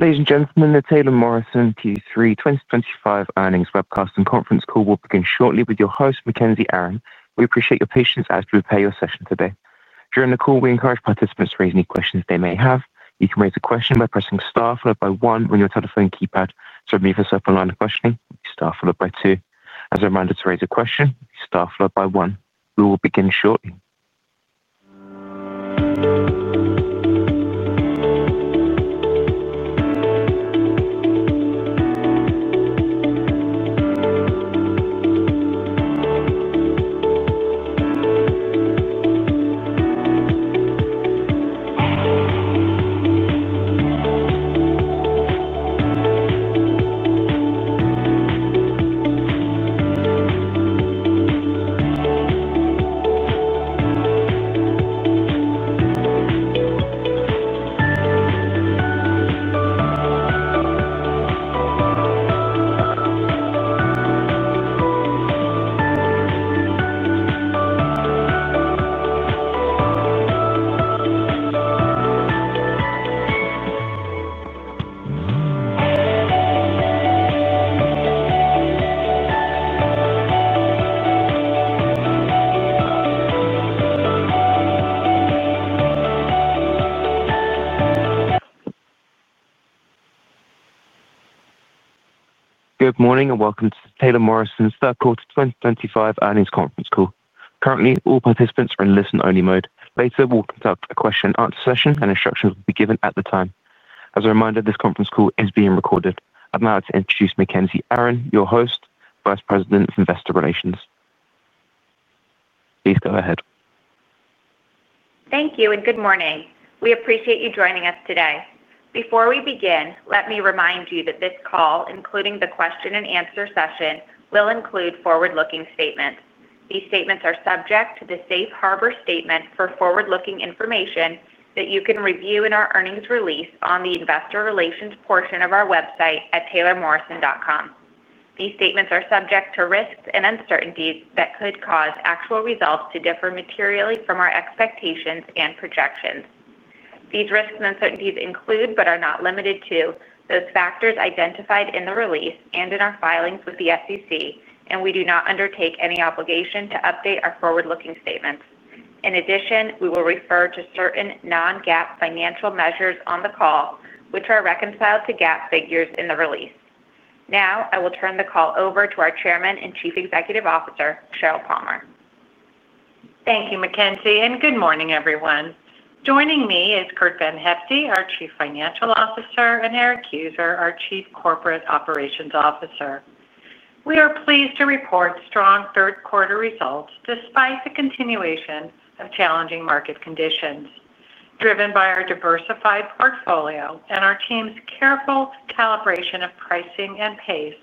Ladies and gentlemen, the Taylor Morrison Q3 2025 earnings webcast and conference call will begin shortly with your host Mackenzie Aron. We appreciate your patience as we prepare your session today. During the call, we encourage participants to raise any questions they may have. You can raise a question by pressing star followed by one on your telephone keypad to queue up online. To remove yourself from the queue, press star followed by two. As a reminder, to raise a question, press star followed by one. We will begin shortly. Good morning and welcome to Taylor Morrison's third quarter 2025 earnings conference call. Currently, all participants are in listen-only mode. Later, we'll conduct a question and answer session and instructions will be given at that time. As a reminder, this conference call is being recorded. I'd like to introduce Mackenzie Aron, your host, Vice President, Investor Relations. Please go ahead. Thank you and good morning. We appreciate you joining us today. Before we begin, let me remind you that this call, including the question and answer session, will include forward-looking statements. These statements are subject to the Safe Harbor statement for forward-looking information that you can review in our earnings release on the Investor Relations portion of our website at taylormorrison.com. These statements are subject to risks and uncertainties that could cause actual results to differ materially from our expectations and projections. These risks and uncertainties include, but are not limited to, those factors identified in the release and in our filings with the SEC, and we do not undertake any obligation to update our forward-looking statements. In addition, we will refer to certain non-GAAP financial measures on the call which are reconciled to GAAP figures in the release. Now I will turn the call over to our Chairman and Chief Executive Officer Sheryl Palmer. Thank you Mackenzie and good morning everyone. Joining me is Curt VanHyfte, our Chief Financial Officer, and Erik Heuser, our Chief Corporate Operations Officer. We are pleased to report strong third quarter results despite the continuation of challenging market conditions driven by our diversified portfolio and our team's careful calibration of pricing and pace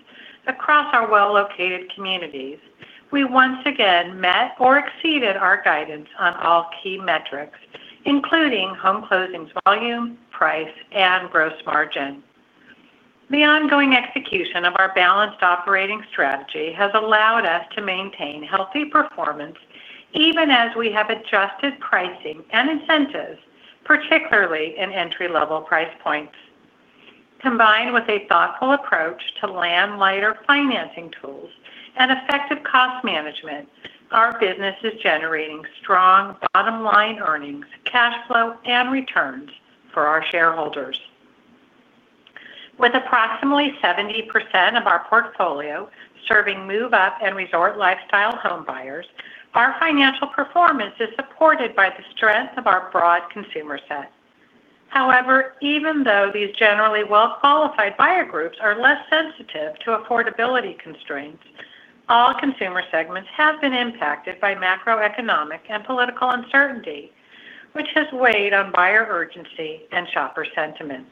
across our well-located communities. We once again met or exceeded our guidance on all key metrics including home closings, volume, price, and gross margin. The ongoing execution of our balanced operating strategy has allowed us to maintain healthy performance even as we have adjusted pricing and incentives, particularly in entry-level price points. Combined with a thoughtful approach to land-lighter financing tools and effective cost management, our business is generating strong bottom line earnings, cash flow, and returns for our shareholders. With approximately 70% of our portfolio serving move-up and resort lifestyle home buyers, our financial performance is supported by the strength of our broad consumer set. However, even though these generally well-qualified buyer groups are less sensitive to affordability constraints, all consumer segments have been impacted by macroeconomic and political uncertainty, which has weighed on buyer urgency and shopper sentiment.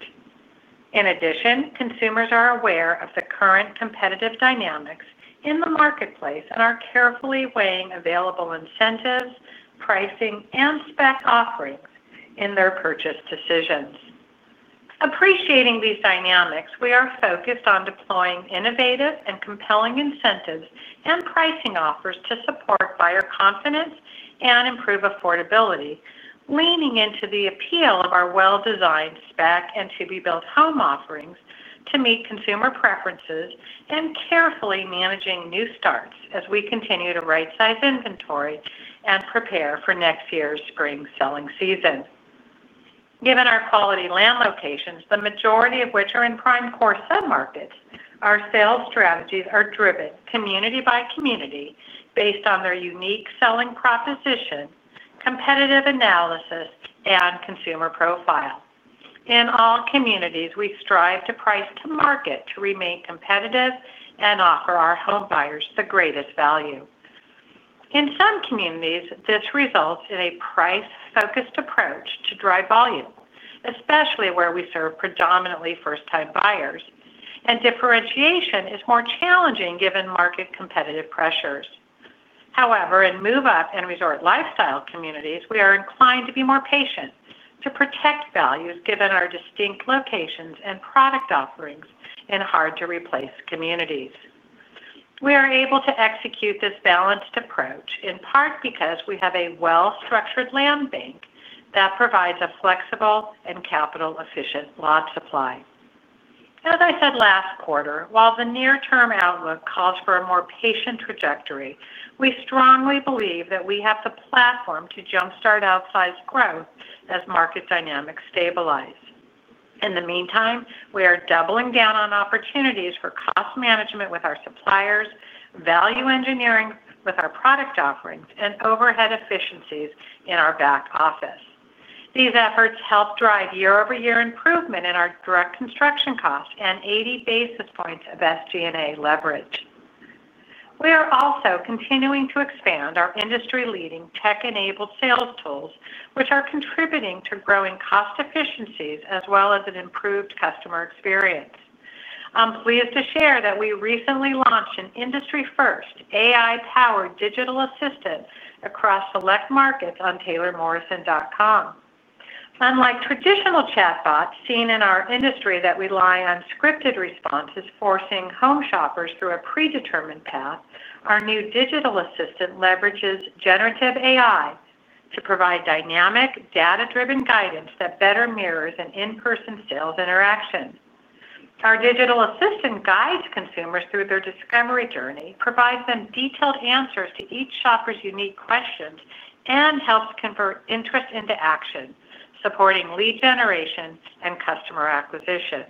In addition, consumers are aware of the current competitive dynamics in the marketplace and are carefully weighing available incentives, pricing, and spec offerings in their purchase decisions. Appreciating these dynamics, we are focused on deploying innovative and compelling incentives and pricing offers to support buyer confidence and improve affordability, leaning into the appeal of our well-designed spec and to-be-built home offerings to meet consumer preferences and carefully managing new starts as we continue to right-size inventory and prepare for next year's spring selling season. Given our quality land locations, the majority of which are in prime core submarkets, our sales strategies are driven community by community based on their unique selling proposition, competitive analysis, and consumer profile. In all communities, we strive to price to market to remain competitive and offer our home buyers the greatest value. In some communities, this results in a price-focused approach to drive volume, especially where we serve predominantly first-time buyers and differentiation is more challenging given market competitive pressures. However, in move-up and resort lifestyle communities, we are inclined to be more patient to protect values given our distinct locations and product offerings. In hard-to-replace communities, we are able to execute this balanced approach in part because we have a well-structured land bank that provides a flexible and capital-efficient lot supply. As I said last quarter, while the near-term outlook calls for a more patient trajectory, we strongly believe that we have the platform to jumpstart outsize growth as market dynamics stabilize. In the meantime, we are doubling down on opportunities for cost management with our suppliers, value engineering with our product offerings, and overhead efficiencies in our back office. These efforts help drive year-over-year improvement in our direct construction costs and 80 basis points of SG&A leverage. We are also continuing to expand our industry-leading tech-enabled sales tools, which are contributing to growing cost efficiencies as well as an improved customer experience. I'm pleased to share that we recently launched an industry-first AI-powered digital assistant across select markets on taylormorrison.com. Unlike traditional chatbots seen in our industry that rely on scripted responses, forcing home shoppers through a predetermined path, our new digital assistant leverages generative AI to provide dynamic, data-driven guidance that better mirrors an in-person sales interaction. Our digital assistant guides consumers through their discovery journey, provides them detailed answers to each shopper's unique questions, and helps convert interest into action, supporting lead generation and customer acquisition.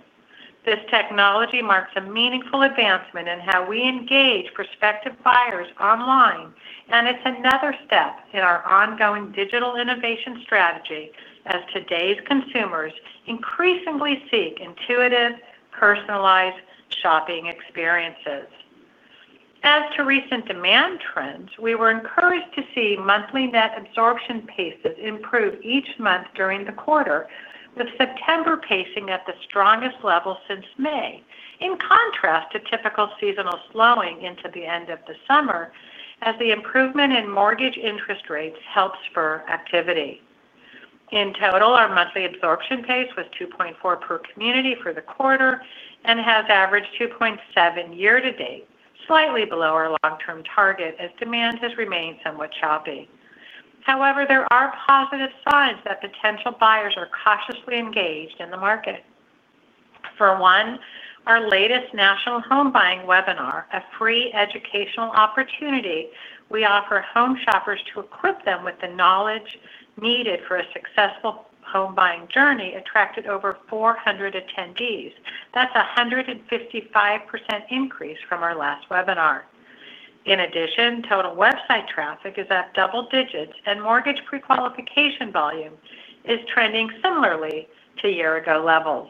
This technology marks a meaningful advancement in how we engage prospective buyers online, and it's another step in our ongoing digital innovation strategy as today's consumers increasingly seek intuitive, personalized shopping experiences. As to recent demand trends, we were encouraged to see monthly net absorption paces improve each month during the quarter, with September pacing at the strongest level since May, in contrast to typical seasonal slowing into the end of the summer as the improvement in mortgage interest rates helps for activity. In total, our monthly absorption pace was 2.4 per community for the quarter and has averaged 2.6% year-to-date, slightly below our long-term target as demand has remained somewhat choppy. However, there are positive signs that potential buyers are cautiously engaged in the market. For one, our latest national home buying webinar, a free educational opportunity we offer home shoppers to equip them with the knowledge needed for a successful home buying journey, attracted over 400 attendees. That's a 155% increase from our last webinar. In addition, total website traffic is up double digits, and mortgage prequalification volume is trending similarly to year-ago levels.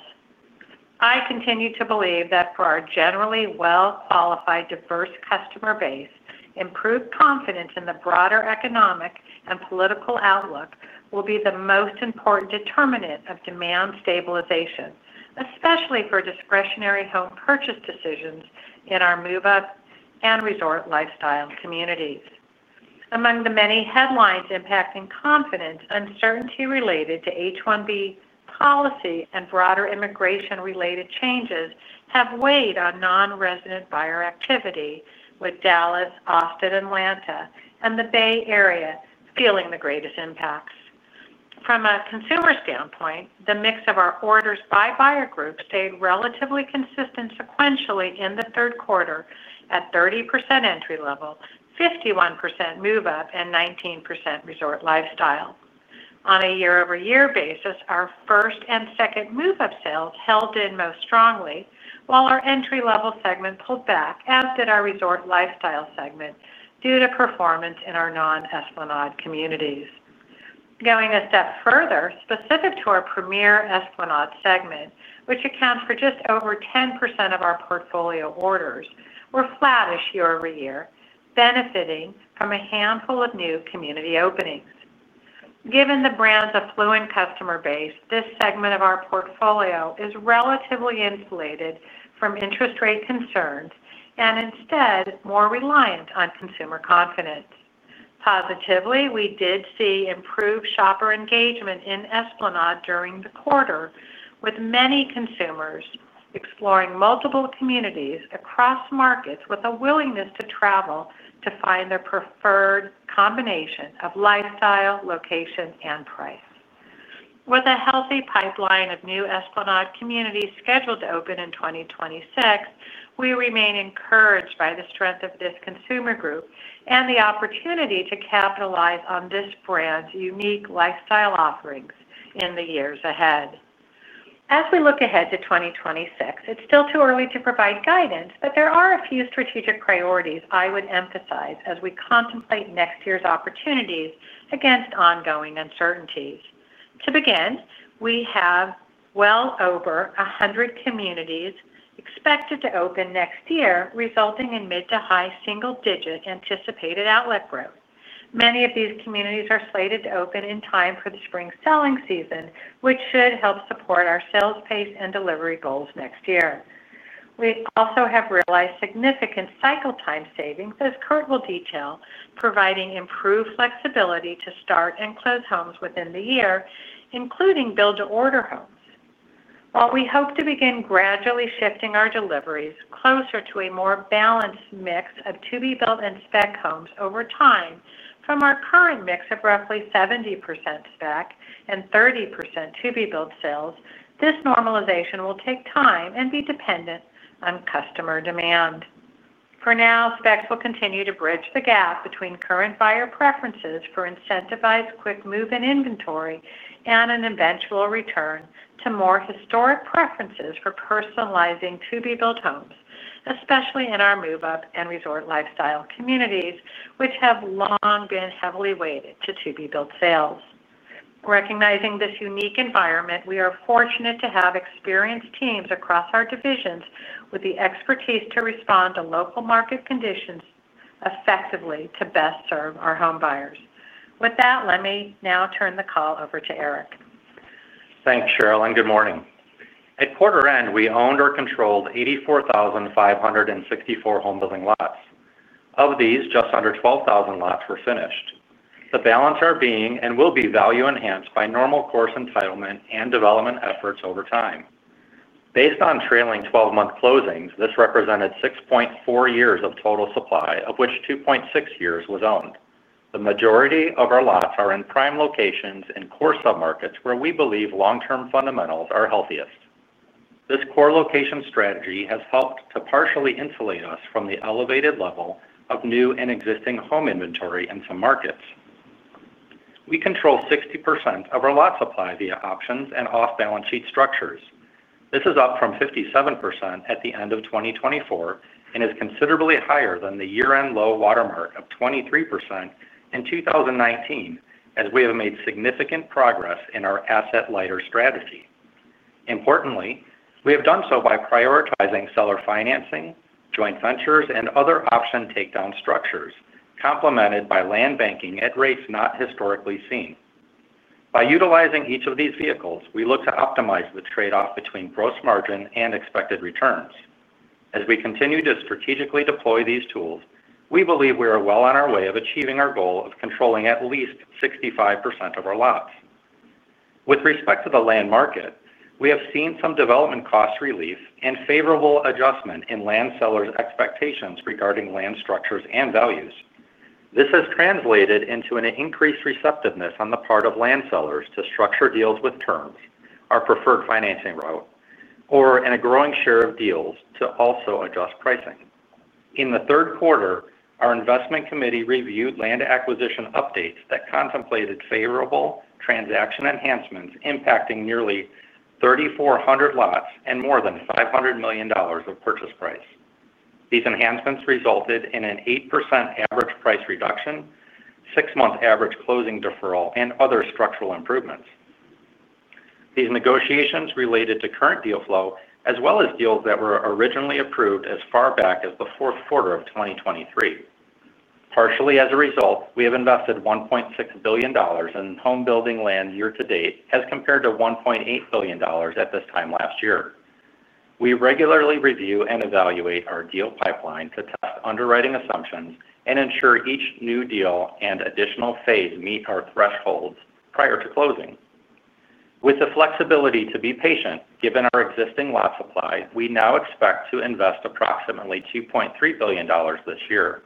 I continue to believe that for our generally well-qualified, diverse customer base, improved confidence in the broader economic and political outlook will be the most important determinant of demand stabilization, especially for discretionary home purchase decisions and in our move-up and resort lifestyle communities. Among the many headlines impacting confidence, uncertainty related to H-1B policy and broader immigration-related changes have weighed on non-resident buyer activity, with Dallas, Austin, Atlanta, and the Bay Area feeling the greatest impacts. From a consumer standpoint, the mix of our orders by buyer group stayed relatively consistent sequentially in the third quarter at 30% entry level, 51% move up, and 19% resort lifestyle. On a year-over-year basis, our first and second move up sales held in most strongly while our entry level segment pulled back, as did our resort lifestyle segment due to performance in our non-Esplanade communities. Going a step further, specific to our premier Esplanade segment, which accounts for just over 10% of our portfolio, orders were flattish year-over-year, benefiting from a handful of new community openings. Given the brand's affluent customer base, this segment of our portfolio is relatively insulated from interest rate concerns and instead more reliant on consumer confidence. Positively, we did see improved shopper engagement in Esplanade during the quarter, with many consumers exploring multiple communities across markets with a willingness to travel to find their preferred combination of lifestyle, location, and price. With a healthy pipeline of new Esplanade communities scheduled to open in 2026, we remain encouraged by the strength of this consumer group and the opportunity to capitalize on this brand's unique lifestyle offerings in the years ahead. As we look ahead to 2026, it's still too early to provide guidance, but there are a few strategic priorities I would emphasize as we contemplate next year's opportunities against ongoing uncertainties. To begin, we have well over 100 communities expected to open next year, resulting in mid to high single digit anticipated outlet growth. Many of these communities are slated to open in time for the spring selling season, which should help support our sales pace and delivery goals next year. We also have realized significant cycle time savings, as Curt will detail, providing improved flexibility to start and close homes within the year, including build to order homes. While we hope to begin gradually shifting our deliveries closer to a more balanced mix of to be built and spec homes over time, we are moving from our current mix of roughly 70% spec and 30% to be built sales. This normalization will take time and be dependent on customer demand. For now, specs will continue to bridge the gap between current buyer preferences for incentivized quick move-in inventory and an eventual return to more historic preferences for personalizing to-be-built homes, especially in our move-up and resort lifestyle communities, which have long been heavily weighted to to-be-built sales. Recognizing this unique environment, we are fortunate to have experienced teams across our divisions with the expertise to respond to local market conditions effectively to best serve our home buyers. With that, let me now turn the call over to Erik. Thanks Sheryl and good morning. At quarter end we owned or controlled 84,564 home building lots. Of these, just under 12,000 lots were finished. The balance are being and will be value enhanced by normal course entitlement and development efforts over time. Based on trailing twelve month closings, this represented 6.4 years of total supply, of which 2.6 years was owned. The majority of our lots are in prime locations in core submarkets where we believe long term fundamentals are healthiest. This core location strategy has helped to partially insulate us from the elevated level of new and existing home inventory. In some markets, we control 60% of our lot supply via options and off-balance sheet structures. This is up from 57% at the end of 2024 and is considerably higher than the year end low watermark of 23% in 2019 as we have made significant progress in our asset lighter strategy. Importantly, we have done so by prioritizing seller financing, joint ventures, and other option takedown structures complemented by land banking at rates not historically seen. By utilizing each of these vehicles, we look to optimize the trade-off between gross margin and expected returns. As we continue to strategically deploy these tools, we believe we are well on our way to achieving our goal of controlling at least 65% of our lots. With respect to the land market, we have seen some development cost relief and favorable adjustment in land sellers' expectations regarding land structures and values. This has translated into an increased receptiveness on the part of land sellers to structure deals with terms our preferred financing route or in a growing share of deals to also adjust pricing. In the third quarter, our investment committee reviewed land acquisition updates that contemplated favorable land transaction enhancements impacting nearly 3,400 lots and more than $500 million of purchase price. These enhancements resulted in an 8% average price reduction, 6 month average closing deferral, and other structural improvements. These negotiations related to current deal flow as well as deals that were originally approved as far back as the fourth quarter of 2023. Partially as a result, we have invested $1.6 billion in home building land year-to-date as compared to $1.8 billion at this time last year. We regularly review and evaluate our deal pipeline to test underwriting assumptions and ensure each new deal and additional phase meet our thresholds prior to closing. With the flexibility to be patient given our existing lot supply, we now expect to invest approximately $2.3 billion this year,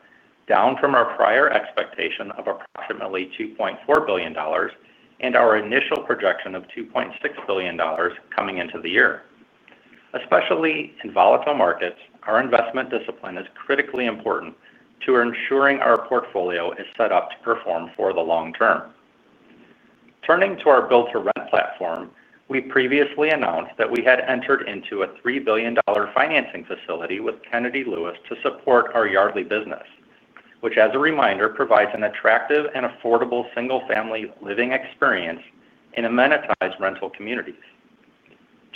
down from our prior expectation of approximately $2.4 billion and our initial projection of $2.6 billion coming into the year. Especially in volatile markets, our investment discipline is critically important to ensuring our portfolio is set up to perform for the long term. Turning to our build-to-rent platform, we previously announced that we had entered into a $3 billion financing facility with Kennedy Lewis to support our Yardly business, which as a reminder provides an attractive and affordable single-family living experience in amenitized rental communities.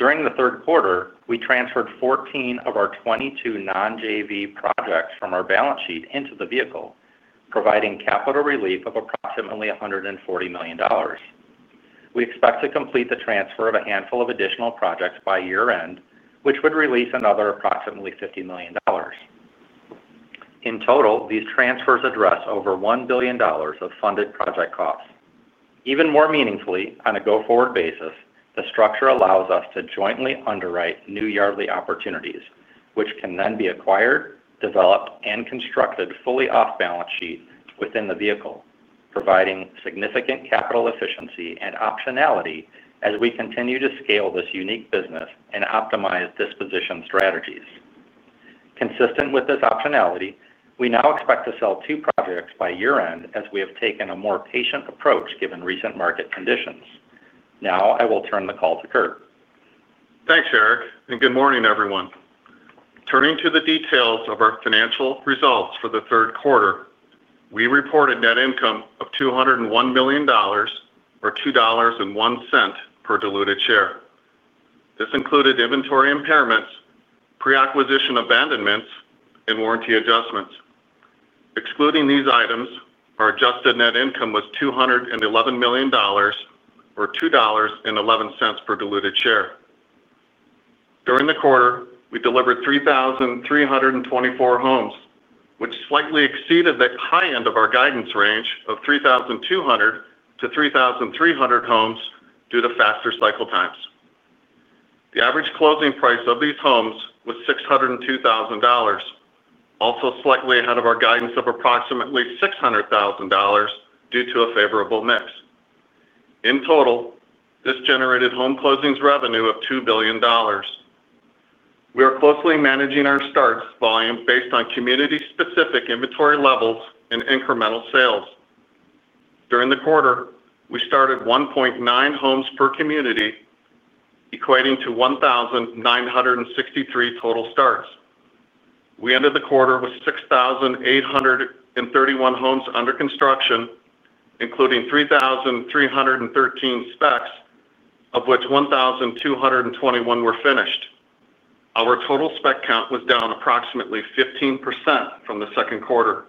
During the third quarter, we transferred 14 of our 22 non-JV projects from our balance sheet into the vehicle, providing capital relief of approximately $140 million. We expect to complete the transfer of a handful of additional projects by year end, which would release another approximately $50 million. In total, these transfers address over $1 billion of funded project costs. Even more meaningfully, on a go-forward basis, the structure allows us to jointly underwrite new Yardly opportunities, which can then be acquired, developed, and constructed fully off-balance sheet within the vehicle, providing significant capital efficiency and optionality as we continue to scale this unique business and optimize disposition strategies. Consistent with this optionality, we now expect to sell two projects by year end as we have taken a more patient approach given recent market conditions. Now I will turn the call to Curt. Thanks, Curt, and good morning everyone. Turning to the details of our financial results for the third quarter, we reported net income of $201 million or $2.01 per diluted share. This included inventory impairments, pre-acquisition abandonments, and warranty adjustments. Excluding these items, our adjusted net income was $211 million or $2.11 per diluted share. During the quarter, we delivered 3,324 homes, which slightly exceeded the high end of our guidance range of 3,200-3,300 homes due to faster cycle times. The average closing price of these homes was $602,000, also slightly ahead of our guidance of approximately $600,000 due to a favorable mix. In total, this generated home closings revenue of $2 billion. We are closely managing our starts volume based on community-specific inventory levels and incremental sales. During the quarter we started 1.9 homes per community, equating to 1,963 total starts. We ended the quarter with 6,831 homes under construction, including 3,313 specs of which 1,221 were finished. Our total spec count was down approximately 15% from the second quarter.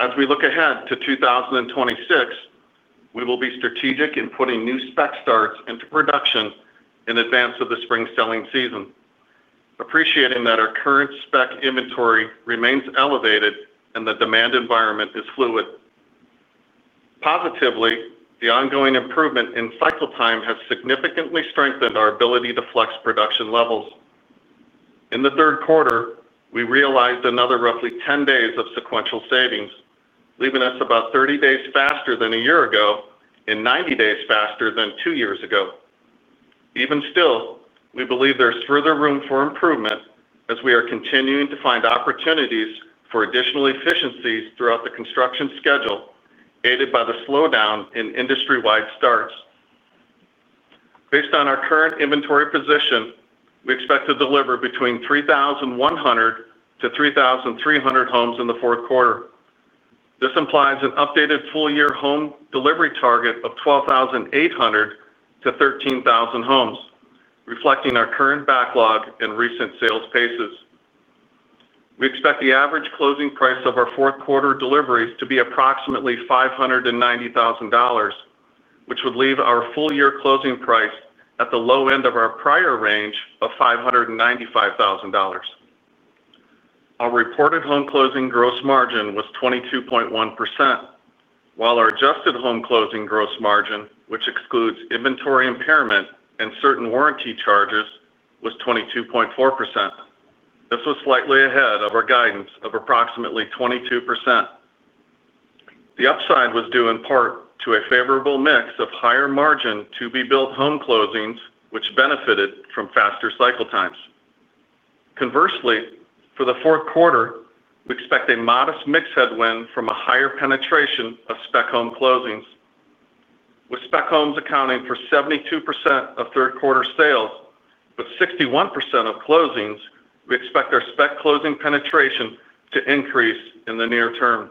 As we look ahead to 2026, we will be strategic in putting new spec starts into production in advance of the spring selling season, appreciating that our current spec inventory remains elevated and the demand environment is fluid. Positively, the ongoing improvement in cycle time has significantly strengthened our ability to flex production levels. In the third quarter we realized another roughly 10 days of sequential savings, leaving us about 30 days faster than a year ago and 90 days faster than two years ago. Even still, we believe there's further room for improvement as we are continuing to find opportunities for additional efficiencies throughout the construction schedule aided by the slowdown in industrywide starts. Based on our current inventory position, we expect to deliver between 3,100-3,300 homes in the fourth quarter. This implies an updated full year home delivery target of 12,800-13,000 homes, reflecting our current backlog and recent sales paces. We expect the average closing price of our fourth quarter deliveries to be approximately $590,000, which would leave our full year closing price at the low end of our prior range of $595,000. Our reported home closing gross margin was 22.1% while our adjusted home closing gross margin, which excludes inventory impairment and certain warranty charges, was 22.4%. This was slightly ahead of our guidance of approximately 22%. The upside was due in part to a favorable mix of higher margin to-be-built home closings which benefited from faster cycle times. Conversely, for the fourth quarter we expect a modest mix headwind from a higher penetration of spec home closings. With spec homes accounting for 72% of third quarter sales but 61% of closings, we expect our spec closing penetration to increase in the near term.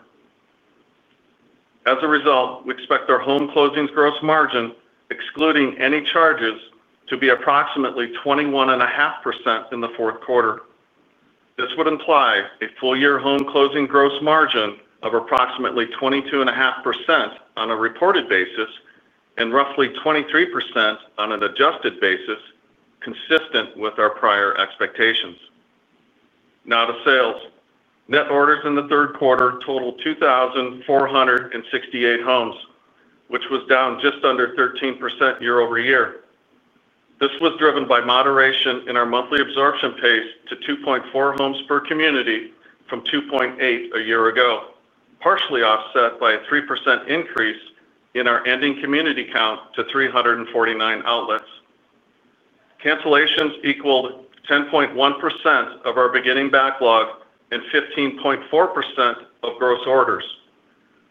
As a result, we expect our home closings gross margin excluding any charges to be approximately 21.5% in the fourth quarter. This would imply a full year home closing gross margin of approximately 22.5% on a reported basis and roughly 23% on an adjusted basis. Consistent with our prior expectations now to sales, net orders in the third quarter totaled 2,468 homes which was down just under 13% year-over-year. This was driven by moderation in our monthly absorption pace to 2.4 homes per community from 2.8 a year ago, partially offset by a 3% increase in our ending community count to 349 outlets. Cancellations equaled 10.1% of our beginning backlog and 15.4% of gross orders.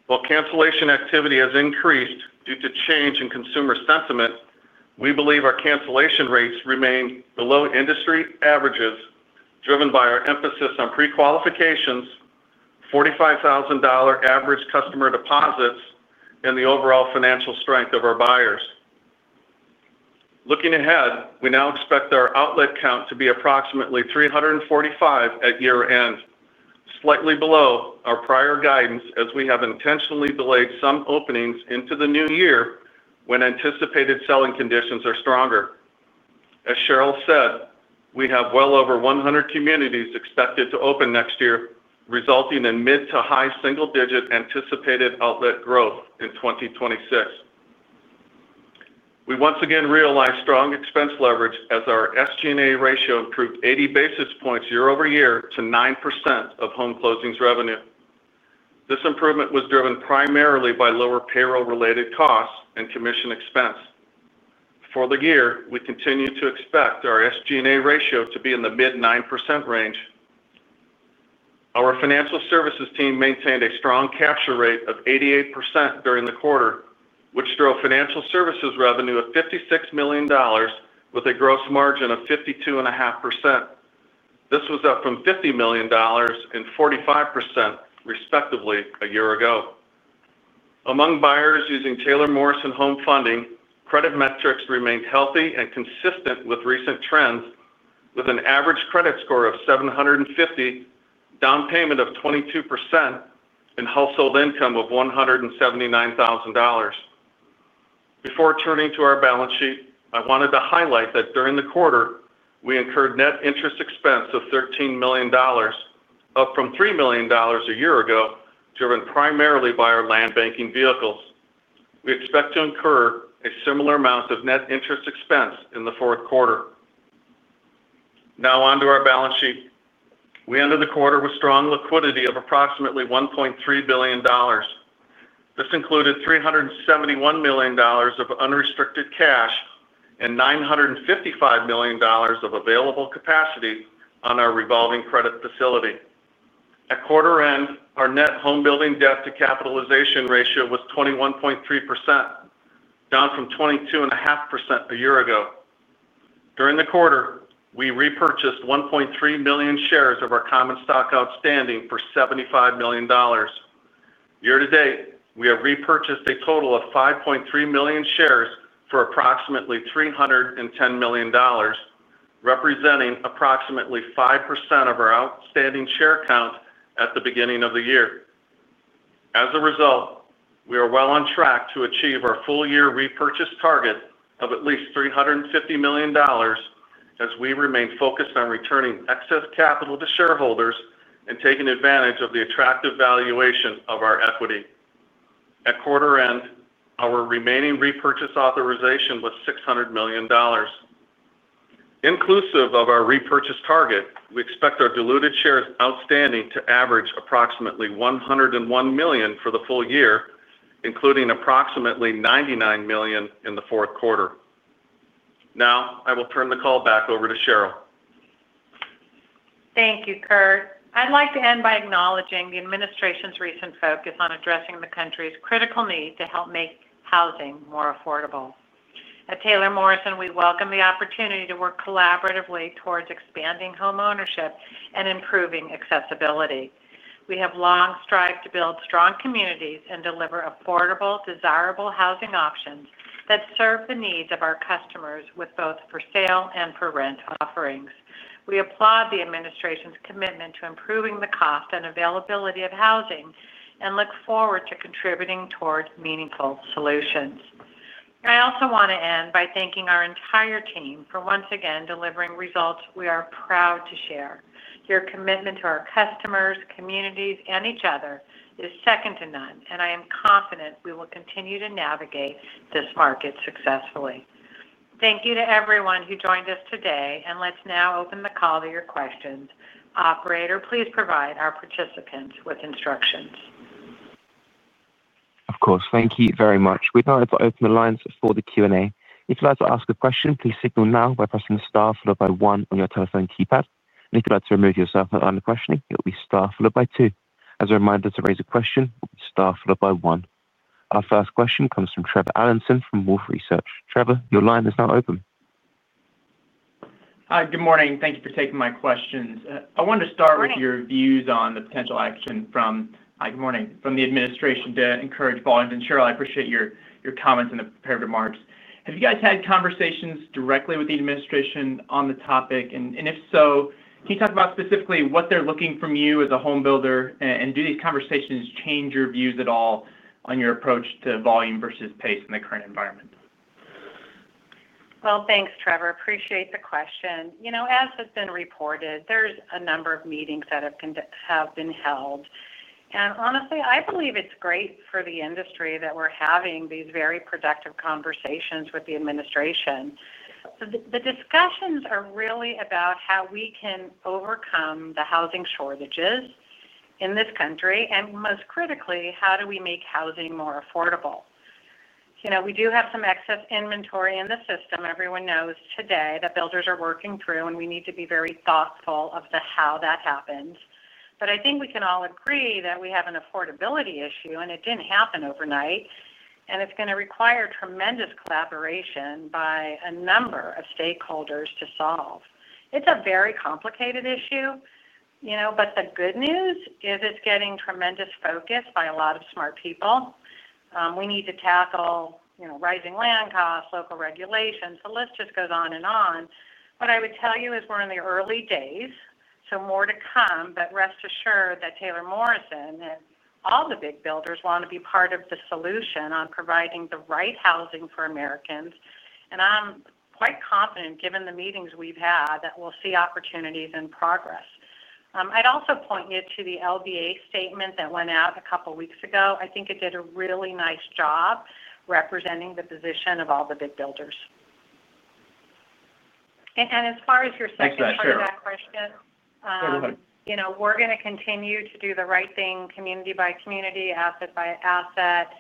While cancellation activity has increased due to change in consumer sentiment, we believe our cancellation rates remain below industry averages, driven by our emphasis on pre-qualifications, $45,000 average customer deposits, and the overall financial strength of our buyers. Looking ahead, we now expect our outlet count to be approximately 345 at year end, slightly below our prior guidance as we have intentionally delayed some openings into the new year when anticipated selling conditions are stronger. As Sheryl said, we have well over 100 communities expected to open next year, resulting in mid to high single digit anticipated outlet growth. In 2026, we once again realized strong expense leverage as our SG&A ratio improved 80 basis points year-over-year to 9% of home closings revenue. This improvement was driven primarily by lower payroll related costs and commission expense for the year. We continue to expect our SG&A ratio to be in the mid 9% range. Our financial services team maintained a strong capture rate of 88% during the quarter, which drove financial services revenue of $56 million with a gross margin of 52.5%. This was up from $50 million and 45% respectively a year ago. Among buyers using Taylor Morrison Home Funding, credit metrics remained healthy and consistent with recent trends, with an average credit score of 750, down payment of 22%, and household income of $179,000. Before turning to our balance sheet, I wanted to highlight that during the quarter, we incurred net interest expense of $13 million, up from $3 million a year ago. Driven primarily by our land banking vehicles, we expect to incur a similar amount of net interest expense in the fourth quarter. Now onto our balance sheet. We ended the quarter with strong liquidity of approximately $1.3 billion. This included $371 million of unrestricted cash and $955 million of available capacity on our revolving credit facility. At quarter end, our net home building debt to capitalization ratio was 21.3%, down from 22.5% a year ago. During the quarter, we repurchased 1.3 million shares of our common stock outstanding for $75 million. Year-to-date, we have repurchased a total of 5.3 million shares for approximately $310 million, representing approximately 5% of our outstanding share count at the beginning of the year. As a result, we are well on track to achieve our full year repurchase target of at least $350 million. As we remain focused on returning excess capital to shareholders and taking advantage of the attractive valuation of our equity, at quarter end our remaining repurchase authorization was $600 million inclusive of our repurchase target. We expect our diluted shares outstanding to average approximately 101 million for the year, including approximately 99 million in the fourth quarter. Now I will turn the call back over to Sheryl. Thank you, Curt. I'd like to end by acknowledging the administration's recent focus on addressing the country's critical need to help make housing more affordable. At Taylor Morrison, we welcome the opportunity to work collaboratively towards expanding homeownership and improving accessibility. We have long strived to build strong communities and deliver affordable, desirable housing options that serve the needs of our customers with both for sale and for rent offerings. We applaud the administration's commitment to improving the cost and availability of housing and look forward to contributing toward meaningful solutions. I also want to end by thanking our entire team for once again delivering results. We are proud to share your commitment to our customers. Communities and each other is second to none, and I am confident we will continue to navigate this market successfully. Thank you to everyone who joined us today. Let's now open the call to your questions. Operator, please provide our participants with instructions. Of course. Thank you very much. We'd like to open the lines for the Q and A. If you'd like to ask a question, please signal now by pressing star followed by one on your telephone keypad. If you'd like to remove yourself at the line of questioning, it will be star followed by two. As a reminder, to raise a question, star followed by one. Our first question comes from Trevor Allinson from Wolfe Research. Trevor, your line is now open. Hi, good morning. Thank you for taking my questions. I wanted to start with your views on the potential action from the administration to encourage volumes. Good morning. Sheryl, I appreciate your comments in the prepared remarks. Have you guys had conversations directly with the administration on the topic? If so, can you talk about specifically what they're looking from you as a home builder? Do these conversations change your views at all on your approach to volume versus pace in the current environment? Thanks, Trevor. Appreciate the question. As has been reported, there's a number of meetings that have been held and honestly, I believe it's great for the industry that we're having these very productive conversations with the administration. The discussions are really about how we can overcome the housing shortages in this country, and most critically, how do we make housing more affordable? We do have some excess inventory in the system. Everyone knows today that builders are working through, and we need to be very thoughtful of how that happens. I think we can all agree that we have an affordability issue and it didn't happen overnight. It's going to require tremendous collaboration by a number of stakeholders to solve. It's a very complicated issue, but the good news is it's getting tremendous focus by a lot of smart people. We need to tackle rising land costs, local regulations. The list just goes on and on. What I would tell you is we're in the early days, more to come. Rest assured that Taylor Morrison and all the big builders want to be part of the solution on providing the right housing for Americans. I'm quite confident, given the meetings we've had, that we'll see opportunities and progress. I'd also point you to the LBA statement that went out a couple weeks ago. I think it did a really nice job representing the position of all the big builders. As far as your second answer to that question, we're going to continue to do the right thing, community by community, asset by asset.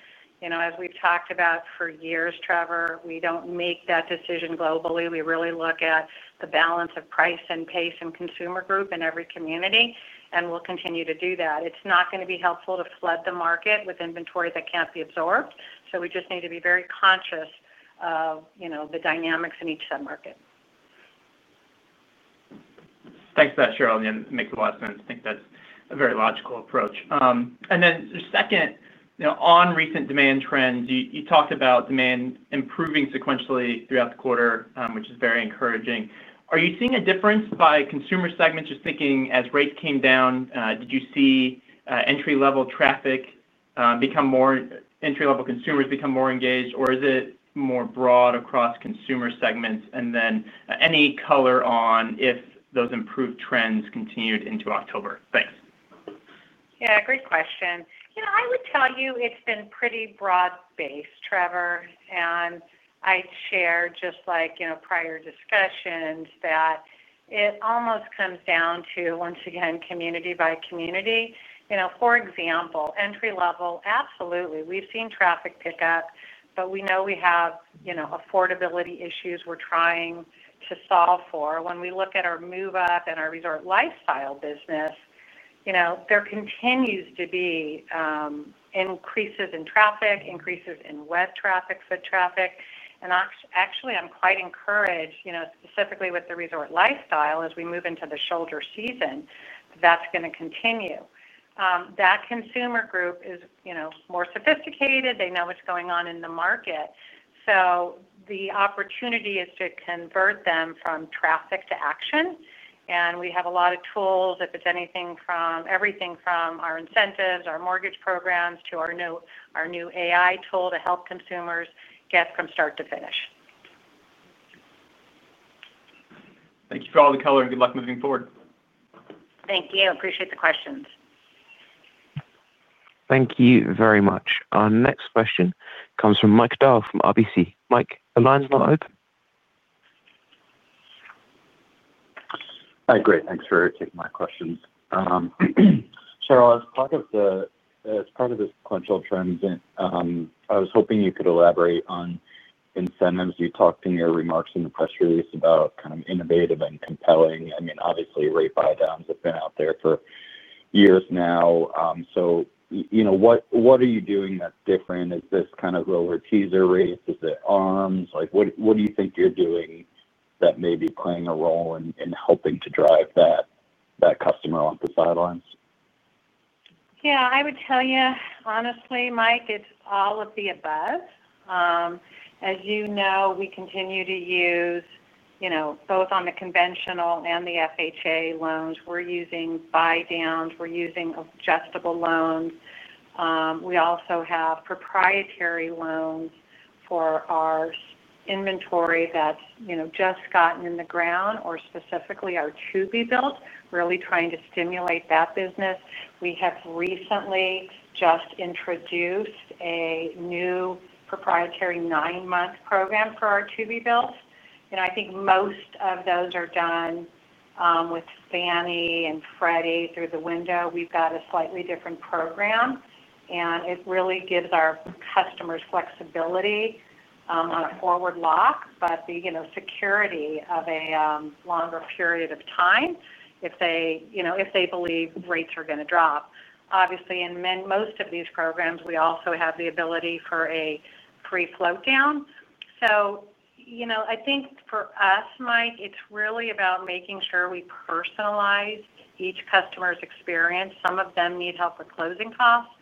As we've talked about for years, Trevor, we don't make that decision globally. We really look at the balance of price and pace and consumer group in every community, and we'll continue to do that. It's not going to be helpful to flood the market with inventory that can't be absorbed. We just need to be very conscious of the dynamics in each submarket. Thanks for that, Sheryl, and Mickey Watson, I think that's a very logical approach. On recent demand trends, you talked about demand improving sequentially throughout the quarter, which is very encouraging. Are you seeing a difference by consumer segments? Just thinking as rates came down, did you see entry level traffic become more, entry level consumers become more engaged, or is it more broad across consumer segments? Any color on if those improved trends continued into October? Thanks. Yeah, great question. I would tell you it's been pretty broad based. Trevor and I share, just like prior discussions, that it almost comes down to once again, community by community. For example, entry level, absolutely, we've seen traffic pickup, but we know we have affordability issues we're trying to solve for when we look at our move up and our resort lifestyle business. There continues to be increases in traffic, increases in web traffic, foot traffic, and actually I'm quite encouraged, specifically with the resort lifestyle as we move into the shoulder season that's going to continue. That consumer group is more sophisticated. They know what's going on in the market. The opportunity is to convert them from traffic to action, and we have a lot of tools, if it's anything from everything from our incentives, our mortgage programs, to our new AI-powered digital assistant to help consumers get from start to finish. Thank you for all the color and good luck moving forward. Thank you. Appreciate the questions. Thank you very much. Our next question comes from Mike Dahl from RBC. Michael, the line's now open. Hi, great. Thanks for taking my questions. Sheryl, as part of the sequential trends, I was hoping you could elaborate on incentives. You talked in your remarks in the press release about kind of innovative and compelling. I mean obviously rate buydowns have been out there for years now. What are you doing that's different? Is this kind of roller teaser rates, is it adjustable-rate mortgages, like what do you think you're doing that may be playing a role in helping to drive that customer off the sidelines? Yeah, I would tell you honestly, Mike, it's all of the above. As you know, we continue to use both on the conventional and the FHA loans. We're using buy downs, we're using adjustable loans. We also have proprietary loans for our inventory that's just gotten in the ground or specifically our to be built, really trying to stimulate that business. We have recently just introduced a new proprietary nine month program for our to be built, and I think most of those are done with Fannie and Freddie through the window. We've got a slightly different program, and it really gives our customers flexibility on forward lock, but the security of a longer period of time if they believe rates are going to drop. Obviously, in most of these programs we also have the ability for a free float down. I think for us, Mike, it's really about making sure we personalize each customer's experience. Some of them need help with closing costs.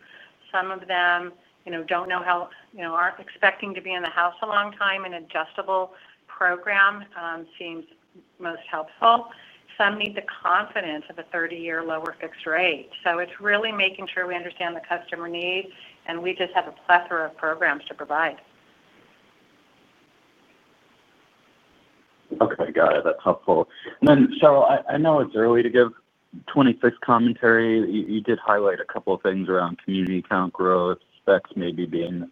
Some of them don't know how, aren't expecting to be in the house a long time. An adjustable program seems most helpful. Some need the confidence of a 30 year lower fixed rate. It's really making sure we understand the customer need, and we just have a plethora of programs to provide. Okay, got it. That's helpful. Cheryl, I know it's early to give 2026 commentary. You did highlight a couple of things around community count growth, specs maybe being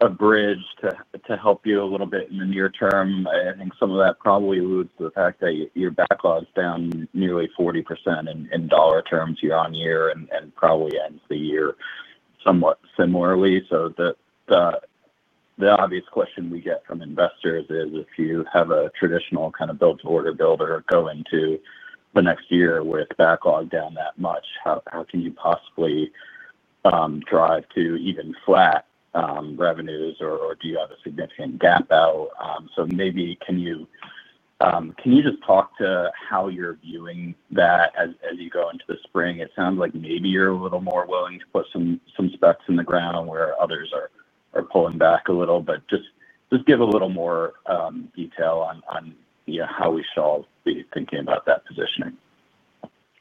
a bridge to help you a little bit in the near term. I think some of that probably alludes to the fact that your backlog is down nearly 40% in dollar terms year-on-year and probably ends the year somewhat similarly. The obvious question we get from investors is if you have a traditional kind of build-to-order builder going into the next year with backlog down that much, how can you possibly drive to even flat revenues? Do you have a significant gap out? Maybe can you just talk to how you're viewing that as you go into the spring? It sounds like maybe you're a little more willing to put some specs in the ground where others are pulling back a little, but just give a little more detail on how we should all be thinking about that positioning.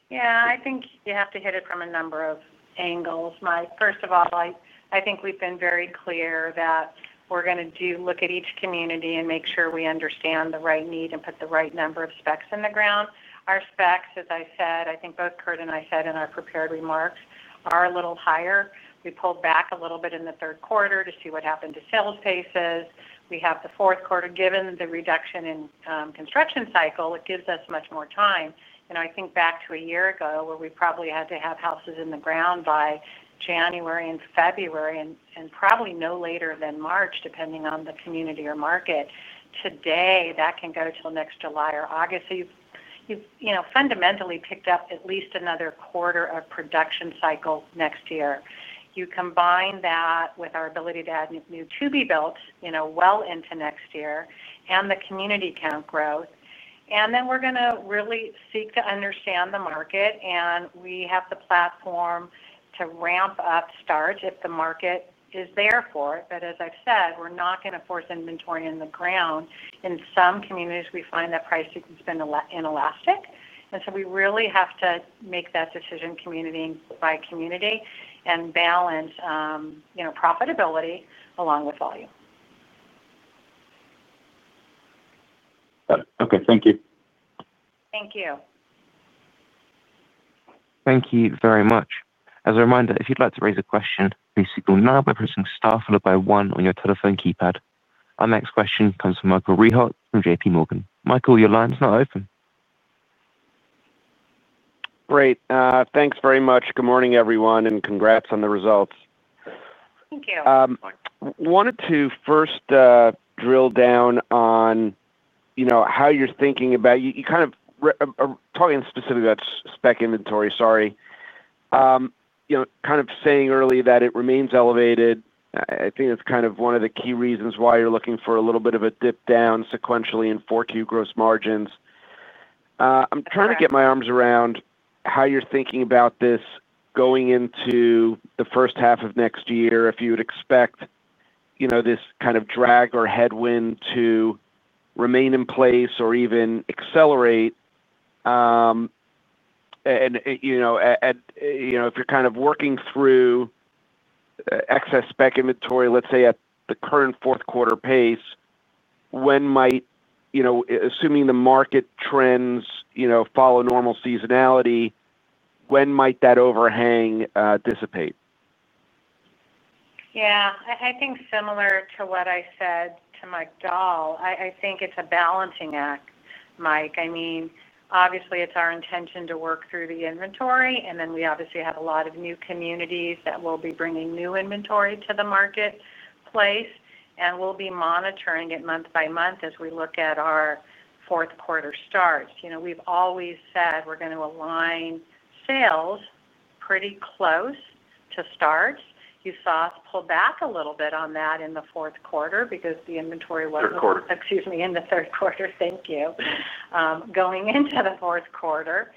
Yeah, I think you have to hit it from a number of angles. First of all, I think we've been very clear that we're going to look at each community and make sure we understand the right need and put the right number of specs in the ground. Our specs, as I said, I think both Curt and I said in our prepared remarks, are a little higher. We pulled back a little bit in the third quarter to see what happened to sales paces. We have the fourth quarter. Given the reduction in construction cycle, it gives us much more time. I think back to a year ago where we probably had to have houses in the ground by January and February and probably no later than March. Depending on the community or market, today that can go until next July or August. You fundamentally picked up at least another quarter of production cycle next year. You combine that with our ability to add new to-be-built well into next year and the community count growth, and then we're going to really seek to understand the market, and we have the platform to ramp up start if the market is there for it. As I've said, we're not going to force inventory in the ground. In some communities, we find that price declines have been inelastic. We really have to make that decision community by community and balance profitability along with volume. Okay, thank you. Thank you. Thank you very much. As a reminder, if you'd like to raise a question, please signal now by pressing star followed by one on your telephone keypad. Our next question comes from Michael Rehaut from JPMorgan. Michael, your line is now open. Great. Thanks very much. Good morning everyone, and congrats on the results. Thank you. Wanted to first drill down on how you're thinking aboweeweeut, you kind of talking specifically that spec inventory, sorry, kind of saying early that it remains elevated. I think that's kind of one of the key reasons why you're looking for a little bit of a dip down sequentially in 4Q gross margins. I'm trying to get my arms around how you're thinking about this going into the first half of next year. If you would expect this kind of drag or headwind to remain in place or even accelerate and if you're kind of working through excess spec inventory, let's say at the current fourth quarter pace, when might, assuming the market trends follow normal seasonality, when might that overhang dissipate? Yeah, I think similar to what I said to Mike Dahl. I think it's a balancing act, Mike. I mean, obviously it's our intention to work through the inventory and then we obviously have a lot of new communities that will be bringing new inventory to the marketplace and we'll be monitoring it month by month. As we look at our fourth quarter starts, you know, we've always said we're going to align sales pretty close to starts. You saw us pull back a little bit on that in the fourth quarter because the inventory was, excuse me, in the third quarter. Thank you, going into the fourth quarter.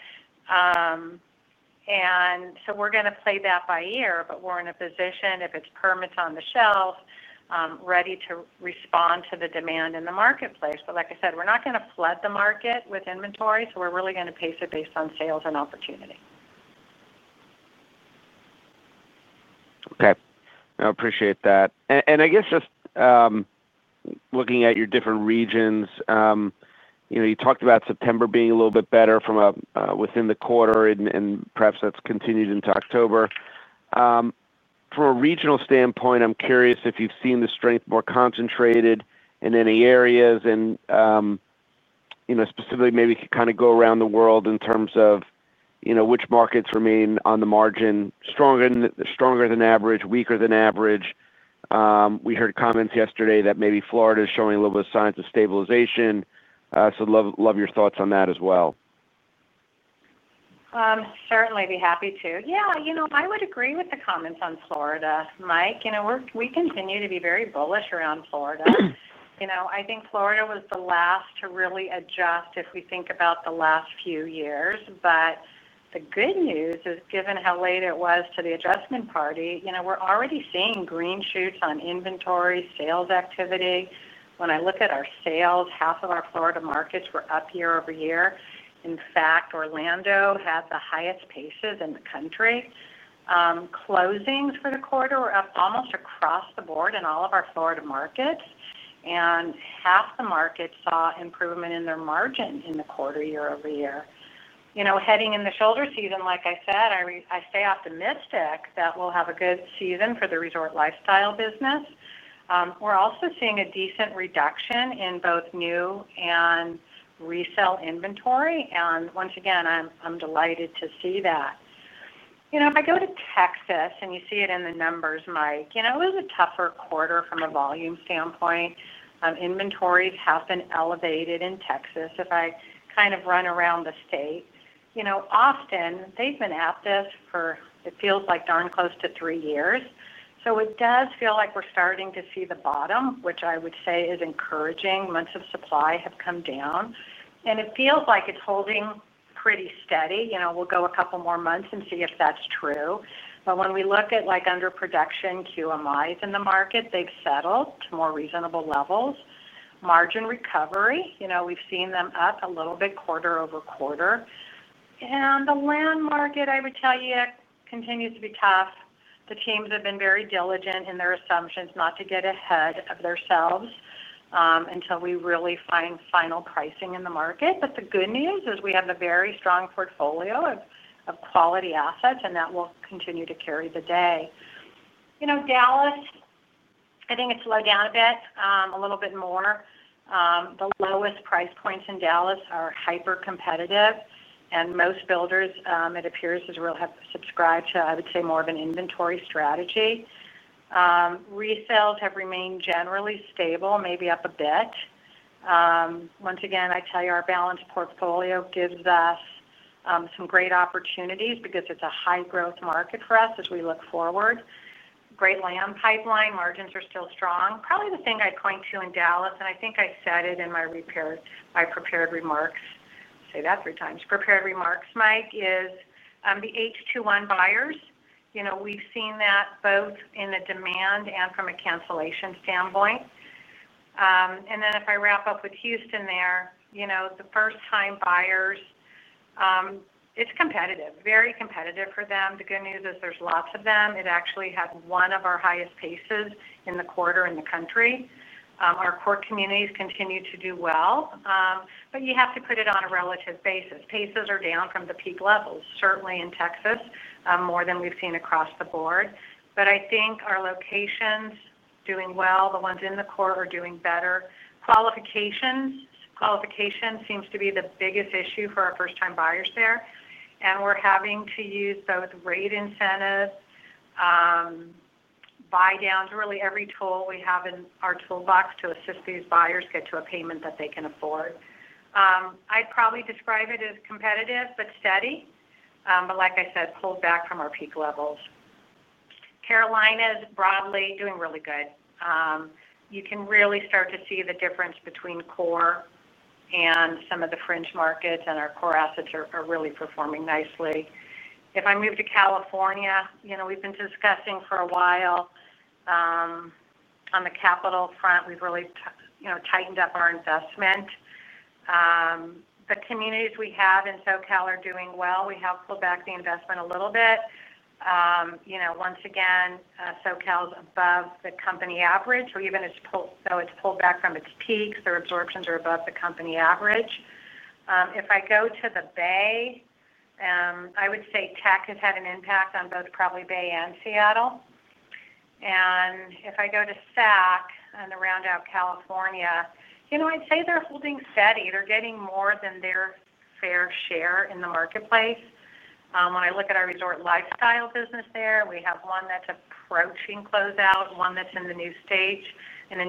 We're going to play that by ear, but we're in a position, if it's permits on the shelf, ready to respond to the demand in the marketplace. Like I said, we're not going to flood the market with inventory. We're really going to pace it based on sales and opportunity. Okay, I appreciate that. I guess just looking at your different regions, you know, you talked about September being a little bit better from within the quarter, and perhaps that's continued into October. From a regional standpoint, I'm curious if you've seen the strength more concentrated in any areas and specifically maybe kind of go around the world in terms of which markets remain on the margin stronger than average, weaker than average. We heard comments yesterday that maybe Florida is showing a little bit of signs of stabilization. Love your thoughts on that as well. Certainly be happy to. Yeah. I would agree with the comments on Florida, Mike. We continue to be very bullish around Florida. I think Florida was the last to really adjust if we think about the last few years. The good news is, given how late it was to the adjustment party, we're already seeing green shoots on inventory sales activity. When I look at our sales, half of our Florida markets were up year-over-year. In fact, Orlando had the highest paces in the country. Closings for the quarter were up almost across the board in all of our Florida markets, and half the market saw improvement in their margin in the quarter, year-over-year. Heading in the shoulder season, like I said, I stay optimistic that we'll have a good season for the resort lifestyle business. We're also seeing a decent reduction in both new and resell inventory, and once again, I'm delighted to see that. If I go to Texas, and you see it in the numbers, Mike, it was a tougher quarter from a volume standpoint. Inventories have been elevated in Texas. If I kind of run around the state, Austin, they've been at this for, it feels like, darn close to three years. It does feel like we're starting to see the bottom, which I would say is encouraging. Months of supply have come down, and it feels like it's holding pretty steady. We'll go a couple more months and see if that's true. When we look at under production QMIs in the market, they've settled to more reasonable levels. Margin recovery, we've seen them up a little bit quarter over quarter. The land market, I would tell you, continues to be tough. The teams have been very diligent in their assumptions not to get ahead of themselves until we really find final pricing in the market. The good news is we have a very strong portfolio of quality assets, and that will continue to carry the day. Dallas, I think it's slowed down a bit, a little bit more. The lowest price points in Dallas are hyper competitive, and most builders, it appears as real, have subscribed to, I would say, more of an inventory strategy. Resales have remained generally stable, maybe up a bit. Once again, I tell you our balanced portfolio gives us some great opportunities because it's a high growth market for us as we look forward. Great land pipeline, margins are still strong. Probably the thing I point to in Dallas, and I think I said it in my prepared remarks—say that three times. Prepared remarks. Mike, is the H21 buyers. We've seen that both in the demand and from a cancellation standpoint. If I wrap up with Houston, the first-time buyers—it's competitive, very competitive for them. The good news is there's lots of them. It actually had one of our highest paces in the quarter in the country. Our core communities continue to do well, but you have to put it on a relative basis. Paces are down from the peak levels, certainly in Texas, more than we've seen across the board. I think our locations are doing well. The ones in the core are doing better. Qualifications seem to be the biggest issue for our first-time buyers there. We're having to use both rate incentives, buy downs, really every tool we have in our toolbox to assist these buyers get to a payment that they can afford. I'd probably describe it as competitive but steady, but like I said, pulled back from our peak levels. Carolina is broadly doing really good. You can really start to see the difference between core and some of the fringe markets, and our core assets are really performing nicely. If I move to California, we've been discussing for a while on the capital front, we've really tightened up our investment. The communities we have in SoCal are doing well. We have pulled back the investment a little bit. Once again, SoCal's above the company average, so even though it's pulled back from its peaks, their absorptions are above the company average. If I go to the Bay, I would say tech has had an impact on both, probably Bay and Seattle. If I go to SAC and round out California, I'd say they're holding steady. They're getting more than their fair share in the marketplace. When I look at our resort lifestyle business there, we have one that's approaching closeout, one that's in the new stage, in the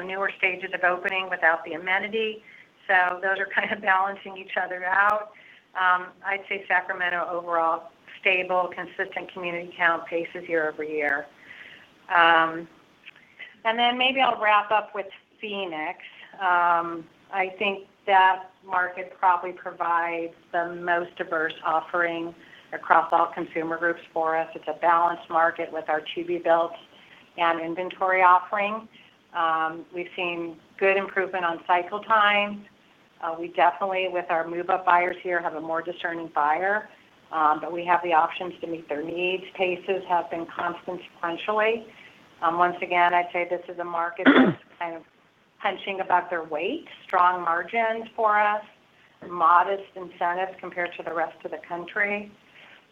newer stages of opening without the amenity. Those are kind of balancing each other out. I'd say Sacramento overall is stable, consistent community count paces year-over-year. Maybe I'll wrap up with Phoenix. I think that market probably provides the most diverse offering across all consumer groups for us. It's a balanced market with our to-be-built and inventory offering. We've seen good improvement on cycle times. We definitely, with our move-up buyers here, have a more discerning buyer, but we have the options to meet their needs. Paces have been constant sequentially. Once again, I'd say this is a market that's kind of punching above their weight. Strong margins for us, modest incentives compared to the rest of the country.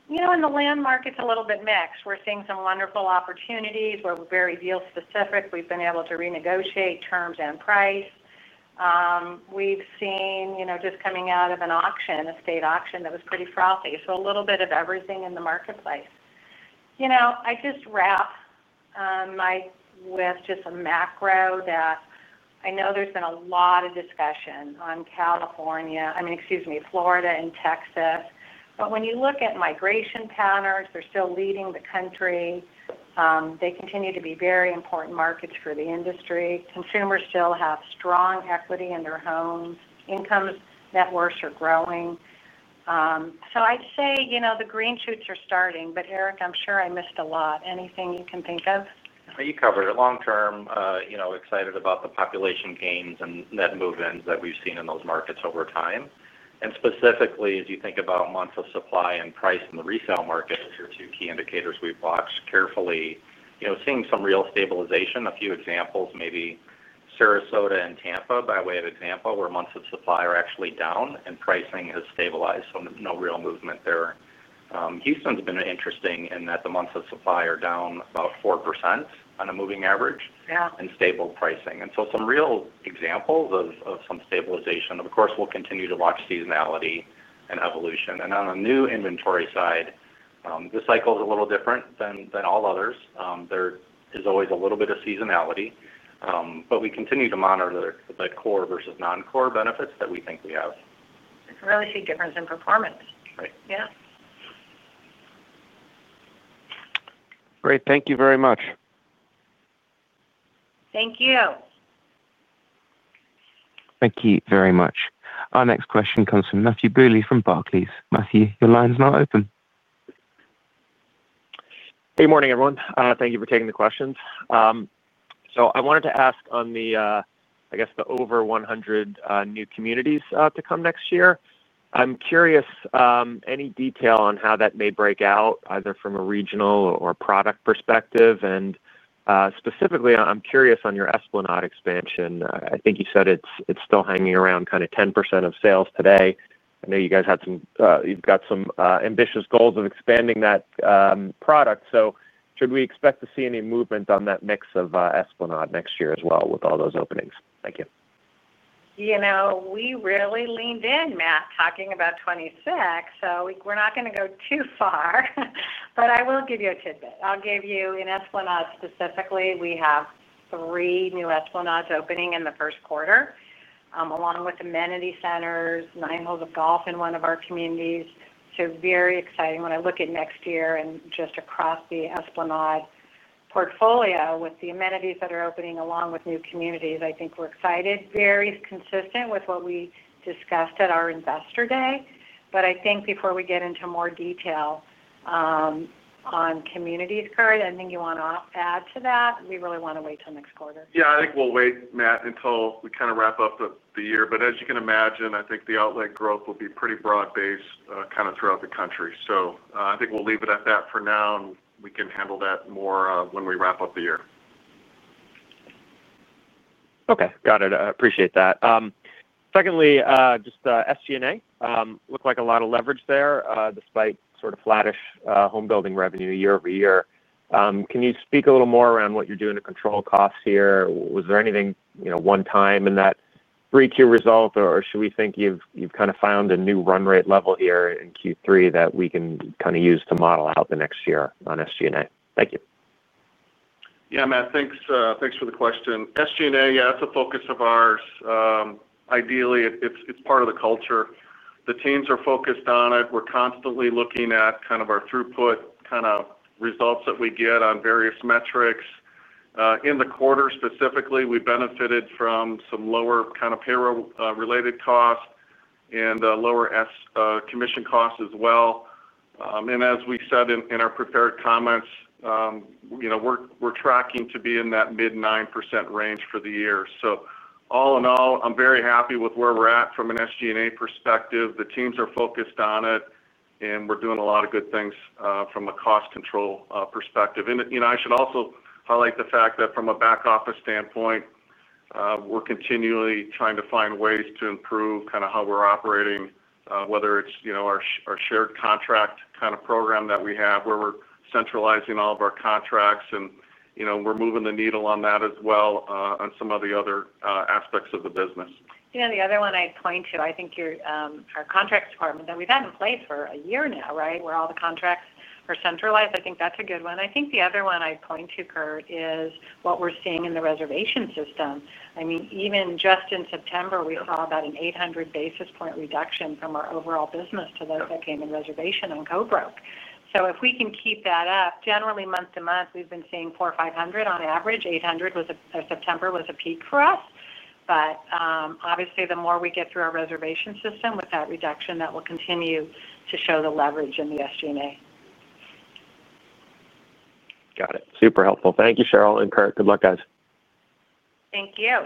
In the land market, it's a little bit mixed. We're seeing some wonderful opportunities. We're very deal specific. We've been able to renegotiate terms and price. We've seen, just coming out of an auction, a state auction that was pretty frothy. A little bit of everything in the marketplace. I'll just wrap with a macro that I know there's been a lot of discussion on California, I mean, excuse me, Florida and Texas. When you look at migration patterns, they're still leading the country. They continue to be a very important market for the industry. Consumers still have strong equity in their homes. Incomes, net worths are growing. I'd say the green shoots are starting. Erik, I'm sure I missed a lot. Anything you can think of, you covered. Long term, you know, excited about the population gains and net move-ins that we've seen in those markets over time. Specifically, as you think about months of supply and price in the resale market, two key indicators we've watched carefully, you know, seeing some real stabilization. A few examples, maybe Sarasota and Tampa by way of example, where months of supply are actually down and pricing has stabilized, so no real movement there. Houston's been interesting in that the months of supply are down about 4% on a moving average and stable pricing, so some real examples of some stabilization. Of course, we'll continue to watch seasonality and evolution. On a new inventory side, this cycle is a little different than all others. There is always a little bit of seasonality, but we continue to monitor the core versus non-core benefits that we think we have. I can really see a difference in performance. Great, thank you very much. Thank you. Thank you very much. Our next question comes from Matthew Bouley from Barclays. Matthew, your line's now open. Good morning everyone. Thank you for taking the questions. I wanted to ask on the, I guess the over 100 new communities. To come next year. I'm curious, any detail on how that may break out either from a regional or product perspective? Specifically, I'm curious on your Esplanade expansion. I think you said it's still hanging around kind of 10% of sales today. I know you guys have some, you've got some ambitious goals of expanding that product. Should we expect to see any movement on that mix of Esplanade next year as well with all those openings? Thank you. You know, we really leaned in, Matt, talking about 2026, so we're not going to go too far. I will give you a tidbit. I'll give you in Esplanade specifically, we have three new Esplanades opening in the first quarter along with amenity centers, nine holes of golf in one of our communities. Very exciting when I look at next year. Just across the Esplanade portfolio with the amenities that are opening along with new communities, I think we're excited. Very consistent with what we discussed at our investor day. Before we get into more detail on communities, Curt, anything you want to add to that? We really want to wait till next quarter. Yeah, I think we'll wait, Matt, until we kind of wrap up the year. As you can imagine, I think the outlet growth will be pretty broad based throughout the country. I think we'll leave it at that for now and we can handle that more when we wrap up the year. Okay, got it. I appreciate that. Secondly, just SG&A looked like a lot of leverage there despite sort of flattish home building revenue year-over-year. Can you speak a little more around what you're doing to control costs here? Was there anything one time in that 3Q result or should we think you've kind of found a new run rate level here in Q3 that we can use to model out the next year on SG&A? Thank you. Yeah, Matt, thanks for the question. SG&A, that's a focus of ours. Ideally it's part of the culture. The teams are focused on it. We're constantly looking at our throughput results that we get on various metrics in the quarter. Specifically, we benefited from some lower payroll related costs and lower commission costs as well. As we said in our prepared comments, we're tracking to be in that mid 9% range for the year. All in all, I'm very happy with where we're at from an SG&A perspective. The teams are focused on it and we're doing a lot of good things from a cost control perspective. I should also highlight the fact that from a back office standpoint, we're continually trying to find ways to improve how we're operating, whether it's our shared contract program that we have where we're centralizing all of our contracts. We're moving the needle on that as well on some of the other aspects of the business. You know, the other one I'd point to, I think your contracts department that we've had in place for a year now, right, where all the contracts are centralized. I think that's a good one. I think the other one I point to, Curt, is what we're seeing in the reservation system. I mean, even just in September, we saw about an 800 basis point reduction from our overall business to those that came in reservation and go broke. If we can keep that up, generally month to month, we've been seeing 400 or 500 on average. 800 was, September was a peak for us. Obviously, the more we get through our reservation system with that reduction, that will continue to show the leverage in the SG&A. Got it. Super helpful. Thank you, Sheryl and Curt. Good luck, guys. Thank you.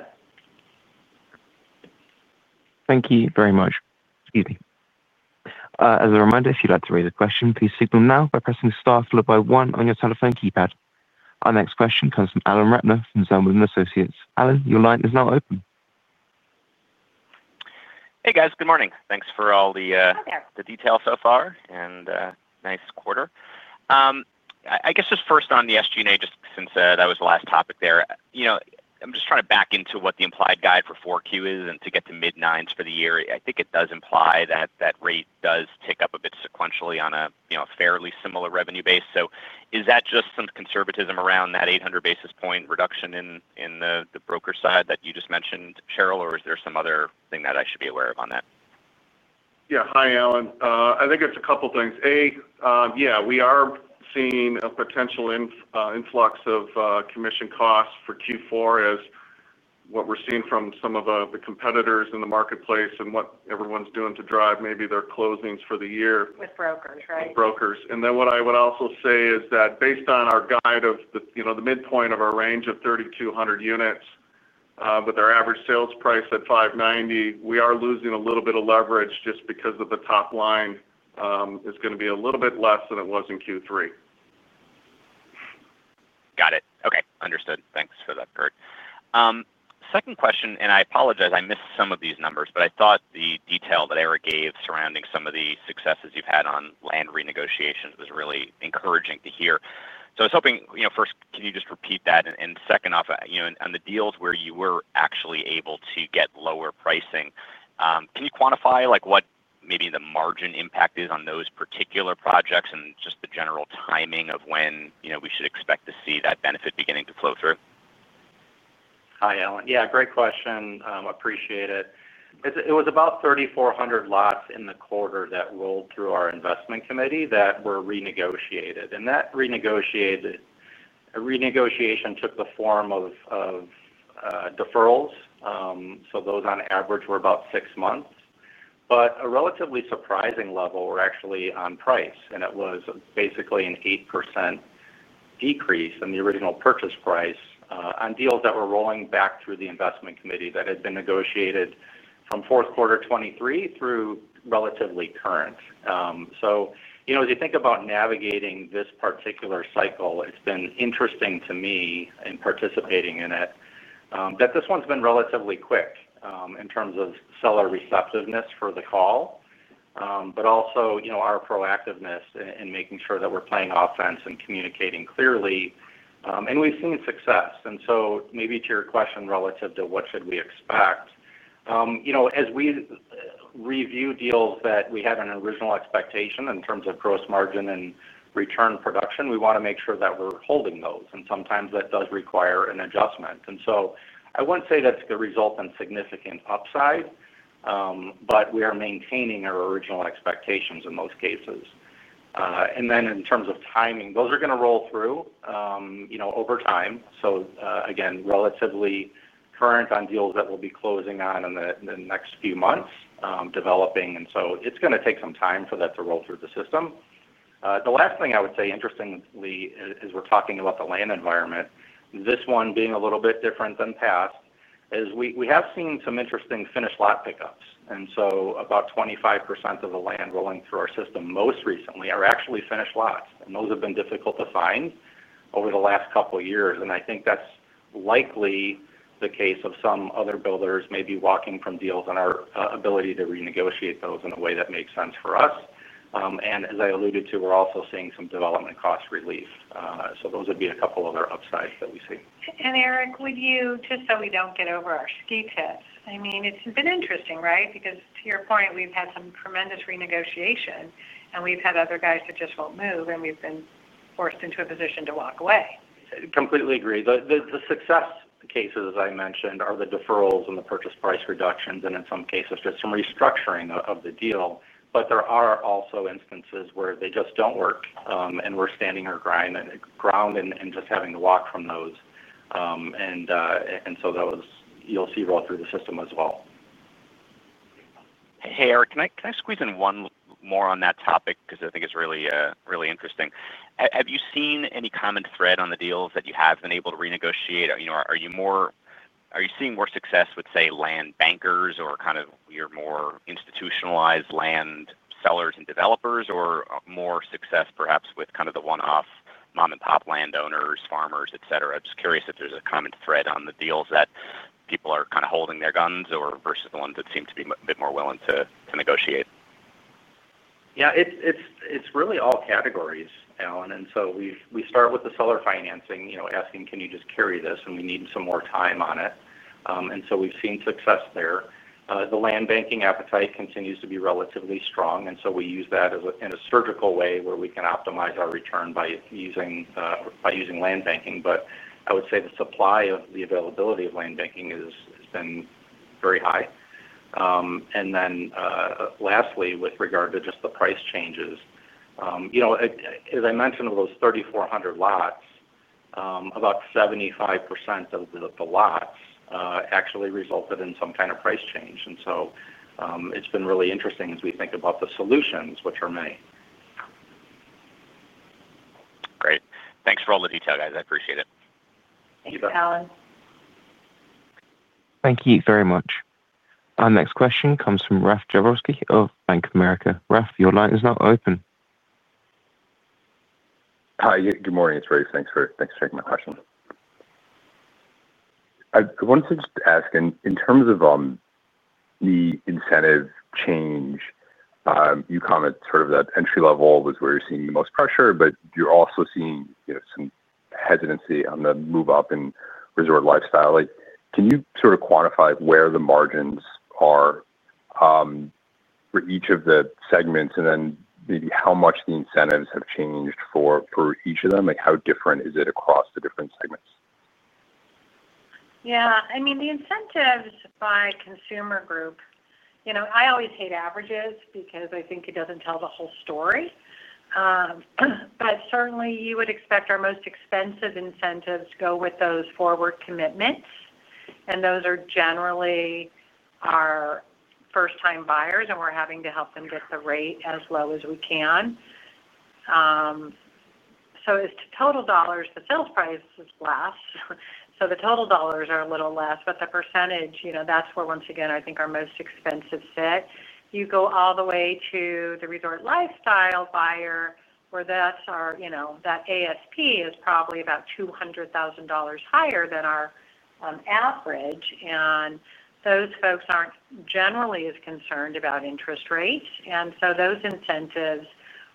Thank you very much. Excuse me. As a reminder, if you'd like to raise a question, please signal now by pressing star followed by one on your telephone keypad. Our next question comes from Alan Ratner from Zelman & Associates. Alan, your line is now open. Hey guys, good morning. Thanks for all the detail so far and nice quarter, I guess. Just first on the SG&A. Just since that was the last topic there, you know, I'm just trying to back into what the implied guide for 4Q is and to get to mid 9s for the year, I think it does imply that that rate does tick up a bit sequentially on a fairly similar revenue base. Is that just some conservatism around that 800 basis point reduction in the broker side that you just mentioned, Sheryl, or is there some other thing that I should be aware of on that? Yeah. Hi, Alan. I think it's a couple things. A, yeah, we are seeing a potential influx of commission costs for Q4 as what we're seeing from some of the competitors in the marketplace and what everyone's doing to drive maybe their closings for the year with brokers. Right, brokers. What I would also say is that based on our guide of, you know, the midpoint of our range of 3,200 units, with our average sales price at $590,000, we are losing a little bit of leverage just because the top line is going to be a little bit less than it was in Q3. Got it. Okay, understood. Thanks for that, Curt. Second question, and I apologize I missed some of these numbers, but I thought the detail that Erik gave surrounding some of the successes you've had on land renegotiations was really encouraging to hear. I was hoping first, can you just repeat that? Off on the deals where you were actually able to get lower pricing, can you quantify what maybe the margin impact is on those particular projects and just the general timing of when we should expect to see that benefit beginning to flow through? Hi Alan. Yeah, great question. Appreciate it. It was about 3,400 lots in the quarter that rolled through our investment committee that were renegotiated and that renegotiation took the form of deferrals. Those on average were about six months, but a relatively surprising level were actually on price and it was basically an 8% decrease in the original purchase price on deals that were rolling back through the investment committee that had been negotiated from fourth quarter 2023 through relatively current. As you think about navigating this particular cycle, it's been interesting to me in participating in it that this one's been relatively quick in terms of seller receptiveness for the call, but also our proactiveness in making sure that we're playing offense and communicating clearly, and we've seen success. Maybe to your question relative to what should we expect, as we review deals that we had an original expectation in terms of gross margin and return production, we want to make sure that we're holding those. Sometimes that does require an adjustment. I wouldn't say that's the result in significant upside, but we are maintaining our original expectations in most cases. In terms of timing, those are going to roll through over time. Again, relatively current on deals that we'll be closing on in the next few months developing, and it's going to take some time for that to roll through the system. The last thing I would say, interestingly as we're talking about the land environment, this one being a little bit different than past, is we have seen some interesting finished lot pickups. About 25% of the land rolling through our system most recently are actually finished lots, and those have been difficult to find over the last couple years. I think that's likely the case of some other builders maybe walking from deals and our ability to renegotiate those in a way that makes sense for us. As I alluded to, we're also seeing some development cost relief. Those would be a couple other upsides that we see. Erik, would you, just so we don't get over our ski tips, it's been interesting, right? Because to your point, we've had some tremendous renegotiation and we've had other guys that just won't move and we've been forced into a position to walk away. Completely agree. The success cases, as I mentioned, are the deferrals and the purchase price reductions and in some cases just some restructuring of the deal. There are also instances where they just don't work and we're standing our ground and just having to walk from those. That was, you'll see, roll through the system as well. Hey Erik, can I squeeze in one more on that topic? I think it's really, really interesting. Have you seen any common thread on the deals that you have been able to renegotiate? Are you seeing more success with, say, land bankers or kind of your more institutionalized land sellers and developers, or more success perhaps with kind of the one-off mom and pop landowners, farmers, etc.? Just curious if there's a common thread on the deals that people are kind of holding their guns versus the ones that seem to be more willing to negotiate. Yeah, it's really all categories, Alan. We start with the seller financing asking, can you just carry this? We need some more time on it. We've seen success there. The land banking appetite continues to be relatively strong. We use that in a surgical way where we can optimize our return by using land banking. I would say the supply of the availability of land banking has been very high. Lastly, with regard to just the price changes, as I mentioned, those 3,400 lots, about 75% of the lots actually resulted in some kind of price change. It's been really interesting as we think about the solutions, which are many. Great. Thanks for all the detail, guys. I appreciate it. Thank you, Alan. Thank you very much. Our next question comes from Rafe Jadrosich of Bank of America. Rafe, your line is now open. Hi, good morning, it's Rafe. Thanks for taking my question. I wanted to just ask in terms of the incentive change, you comment that entry level was where you're seeing the most pressure, but you're also seeing some hesitancy on the move up in resort lifestyle. Can you sort of quantify where the margins are for each of the segments and then maybe how much the incentives have changed for each of them? Like how different is it across the different segments? Yeah, I mean the incentives by consumer group, you know, I always hate averages because I think it doesn't tell the whole story. Certainly you would expect our most expensive incentives go with those forward commitments. Those are generally our first-time buyers and we're having to help them get the rate as low as we can. As to total dollars, the sales price is less, so the total dollars are a little less, but the percentage, you know, that's where once again I think our most expensive fit. You go all the way to the resort lifestyle buyer where that's our, you know, that ASP is probably about $200,000 higher than our average, and those folks aren't generally as concerned about interest rates, so those incentives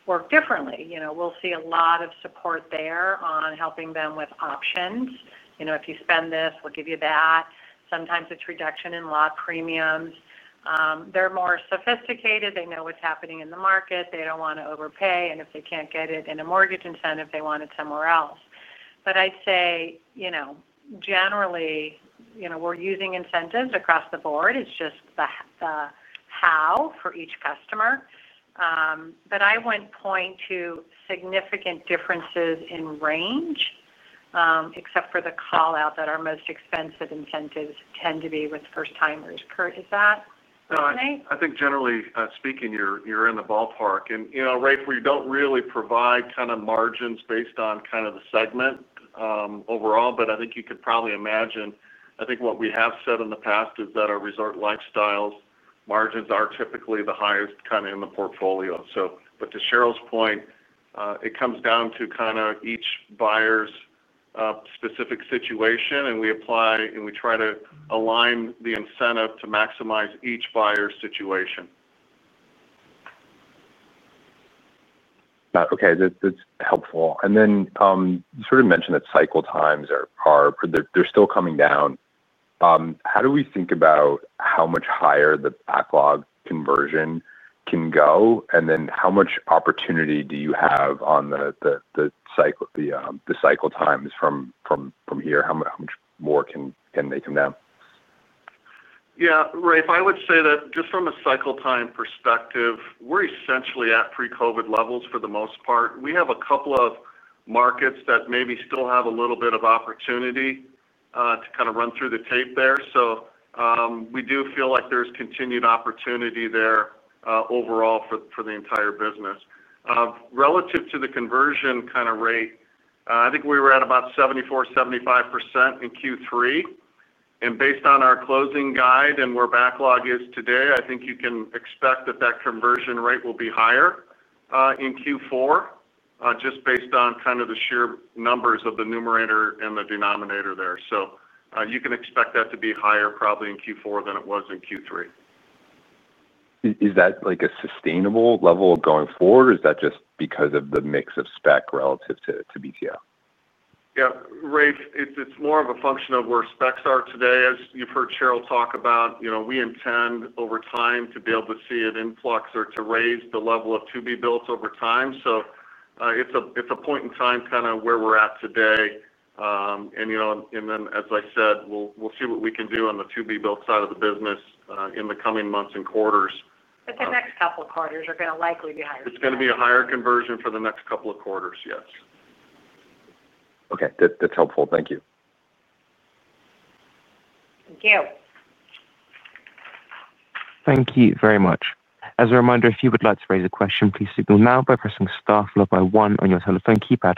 work differently. You know, we'll see a lot of support there on helping them with options. You know, if you spend this, we'll give you that. Sometimes it's reduction in lot premiums. They're more sophisticated, they know what's happening in the market, they don't want to overpay, and if they can't get it in a mortgage incentive, they want it somewhere else. I say, you know, generally, you know, we're using incentives across the board. It's just the how for each customer. I wouldn't point to significant differences in range except for the call out that our most expensive incentives tend to be with first timers. Curt, is that...? I think generally speaking you're in the ballpark. You know, Rafe, we don't really provide kind of margins based on the segment overall. I think you could probably imagine, what we have said in the past is that our resort lifestyle margins are typically the highest in the portfolio. To Sheryl's point, it comes down to each buyer's specific situation and we try to align the incentive to maximize each buyer's situation. Okay, that's helpful. You sort of mentioned that cycle times are still coming down. How do we think about how much higher the backlog conversion can go and how much opportunity you have on the cycle times from here, how much more can they come down? Yeah, Rafe, I would say that just from a cycle time perspective, we're essentially at pre-COVID levels for the most part. We have a couple of markets that maybe still have a little bit of opportunity to run through the tape there. We do feel like there's continued opportunity there overall for the entire business. Relative to the conversion rate, I think we were at about 74%-75% in Q3. Based on our closing guide and where backlog is today, I think you can expect that conversion rate will be higher in Q4 just based on the sheer numbers of the numerator and the denominator there. You can expect that to be higher probably in Q4 than it was in Q3. Is that like a sustainable level going forward or is that just because of the mix of spec relative to build-to-rent? Yeah, Rafe, it's more of a function of where specs are today. As you've heard Sheryl talk about, we intend over time to be able to see an influx or to raise the level of to-be-built over time. It's a point in time, kind of where we're at today. As I said, we'll see what we can do on the to-be-built side of the business in the coming months and quarters. The next couple quarters are going to likely be higher. It's going to be a higher conversion for the next couple of quarters. Yes, okay, that's helpful. Thank you. Thank you. Thank you very much. As a reminder, if you would like to raise a question, please signal now by pressing star followed by one on your telephone keypad.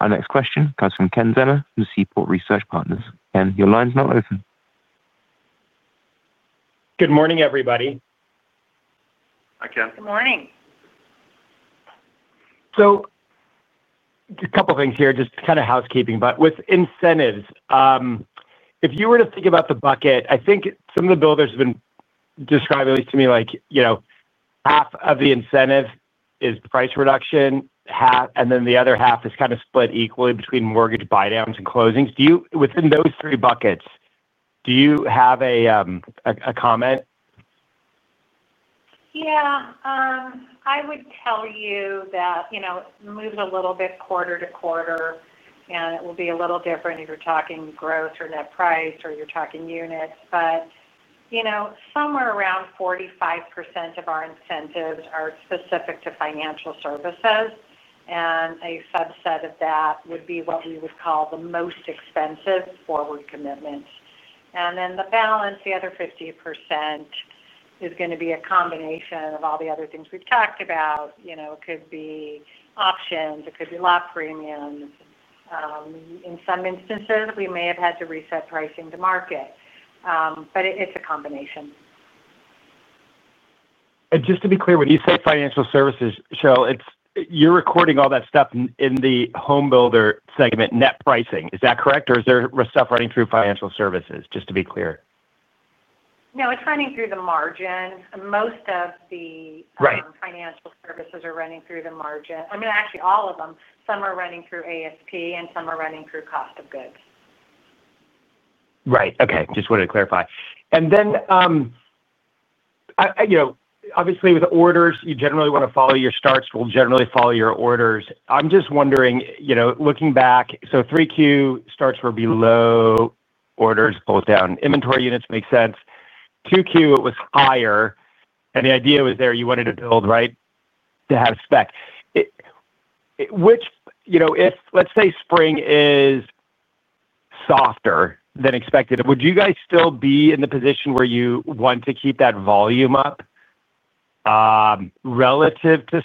Our next question comes from Ken Zener from Seaport Research Partners. Ken, your line's now open. Good morning, everybody. Hi, Ken. Good morning. A couple things here, just kind of housekeeping, but with incentives. If you were to think about the bucket, I think some of the builders have been describing to me like, you know, half of the incentive is price reduction and then the other half is kind of split equally between mortgage buy downs and closings. Within those three buckets, do you have a comment? Yeah, I would tell you that it moves a little bit quarter to quarter, and it will be a little different if you're talking gross or net price or you're talking units. Somewhere around 45% of our incentives are specific to financial services, and a subset of that would be what we would call the most expensive forward commitments. The balance, the other 50%, is going to be a combination of all the other things we've talked about. It could be options, it could be lot premiums. In some instances, we may have had to reset prices to market, but it's a combination. Just to be clear, when you say financial services, Sheryl, it's, you're recording all that stuff in the home builder segment, net pricing, is that correct or is there stuff running through financial services? Just to be clear? No, it's running through the margin. Most of the financial services are running through the margin. I mean actually all of them. Some are running through ASP, and some are running through cost of goods. Right. Okay, just wanted to clarify and then, you know, obviously with orders you generally want to follow your starts, will generally follow your orders. I'm just wondering, you know, looking back, so Q3 starts were below orders, pulled down inventory units. Makes sense. Q-over-Q it was higher and the idea was there you wanted to build, right, to have specific, which, you know, if let's say spring is softer than expected, would you guys still be in the position where you want to keep that volume up relative to,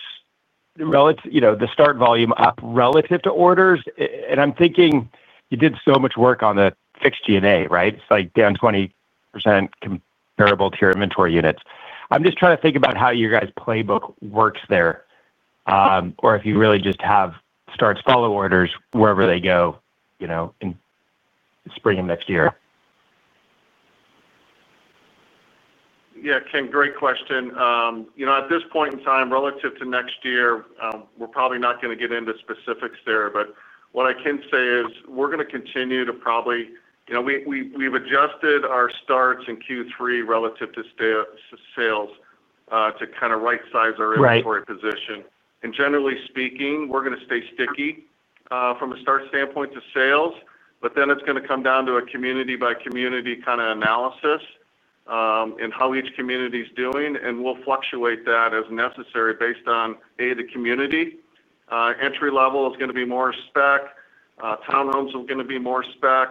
you know, the start volume up relative to orders. I'm thinking you did so much work on the fixed SG&A, right? It's like down 20% comparable to your inventory units. I'm just trying to think about how your guys' playbook works, or if you really just have starts follow orders wherever they go, you know, in spring of next year. Yeah, Ken, great question. At this point in time relative to next year, we're probably not going to get into specifics there. What I can say is we're going to continue to probably, you know, we've adjusted our starts in Q3 relative to sales to kind of right size our inventory position and generally speaking we're going to stay sticky from a start standpoint to sales. Then it's going to come down to a community by community kind of analysis and how each community is doing and we'll fluctuate that as necessary based on, the community entry level is going to be more spec, townhomes are going to be more spec.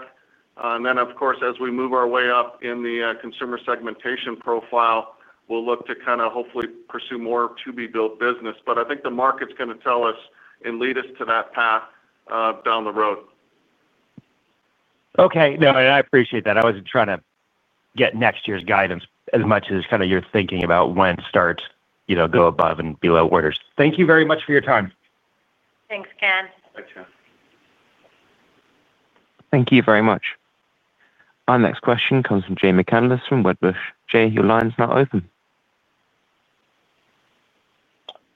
Of course, as we move our way up in the consumer segmentation profile, we'll look to kind of hopefully pursue more to be built business. I think the market's going to tell us and lead us to that path down the road. Okay. No, I appreciate that. I was trying to get next year's guidance as much as kind of your thinking about when starts, you know, go above and below orders. Thank you very much for your time. Thanks Ken. Thank you very much. Our next question comes from Jay McCanless from Wedbush. Jay, your line's now open.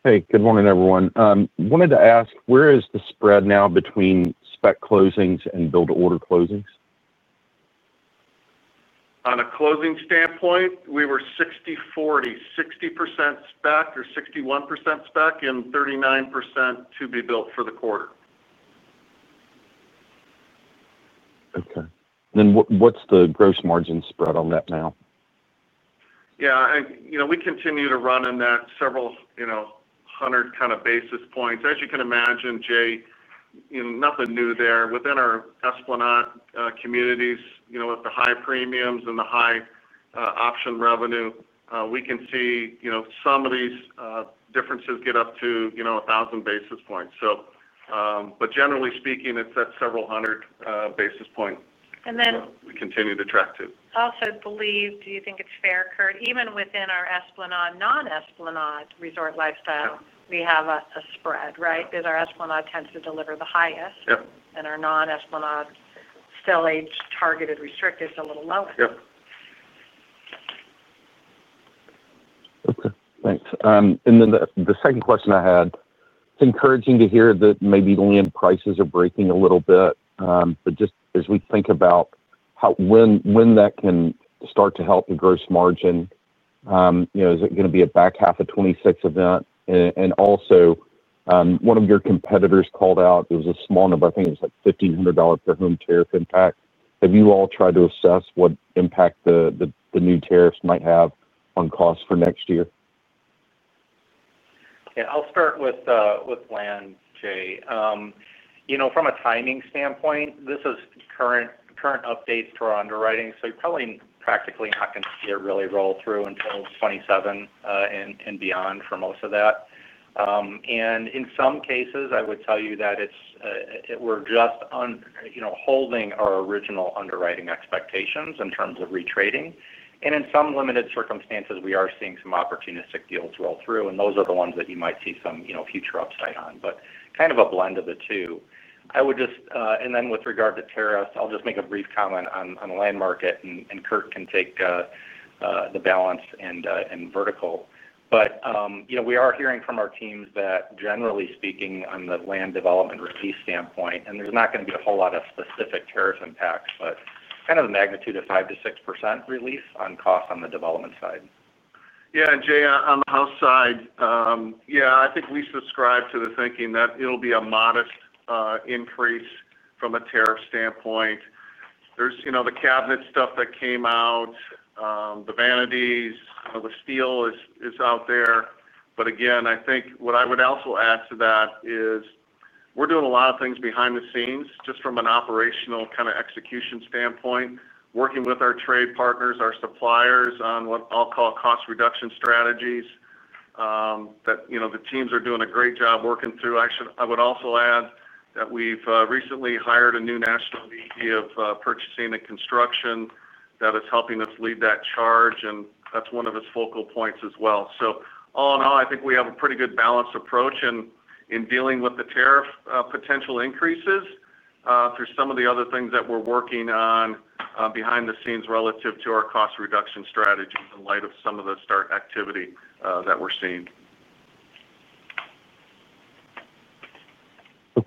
Hey, good morning everyone. Wanted to ask where is the spread now between spec closings and build order closings? On a closing standpoint, we were 60%, 40%, 60% spec or 61% spec and 39% to be built for the quarter. Okay, then what's the gross margin spread on that now? Yeah, you know, we continue to run in that several, you know, hundred kind of basis points, as you can imagine, Jay, nothing new there within our Esplanade communities, you know, with the high premiums and the high option revenue, we can see, you know, some of these differences get up to, you know, 1,000 basis points. Generally speaking, it's at several hundred basis points and then we continue to track too, also believe. Do you think it's fair, Curt, even within our Esplanade, non-Esplanade resort lifestyle, we have a spread? Right, because our Esplanade tends to deliver the highest and our non-Esplanade, still age-targeted, restricted, a little lower. Okay, thanks. The second question I had, it's encouraging to hear that maybe land prices are breaking a little bit, but just as we think about how, when that can start to help the gross margin, you know, is it going to be a back half of 2026 event? Also, one of your competitors called out, it was a small number, I think it was like $1,500 per home, terrific impact. Have you all tried to assess what impact the new tariffs might have on costs for next year? I'll start with land. Jay, from a timing standpoint, this is current updates to our underwriting. You're probably practically not going to really roll through until 2027 and beyond for most of that. In some cases, I would tell you that we're just holding our original underwriting expectations in terms of retrading. In some limited circumstances, we are seeing some opportunistic deals roll through. Those are the ones that you might see some future upside on, but kind of a blend of the two. With regard to tariffs, I'll just make a brief comment on the land market and Curt can take the balance and vertical, but we are hearing from our teams that generally speaking, on the land development release standpoint, there's not going to be a whole lot of specific tariff impacts, but kind of the magnitude of 5%-6% relief on costs on the development side. Yeah. Jay, on the house side, I think we subscribe to the thinking that it'll be a modest increase from a tariff standpoint. There's the cabinet stuff that came out, the vanities, the steel is out there. What I would also add to that is we're doing a lot of things behind the scenes just from an operational kind of execution standpoint, working with our trade partners, our suppliers on what I'll call cost reduction strategies that the teams are doing a great job working through. I would also add that we've recently hired a new national of purchasing and construction that is helping us lead that charge and that's one of its focal points as well. All in all, I think we have a pretty good balanced approach in dealing with the tariff potential increases through some of the other things that we're working on behind the scenes relative to our cost reduction strategy in light of some of the start activity that we're seeing.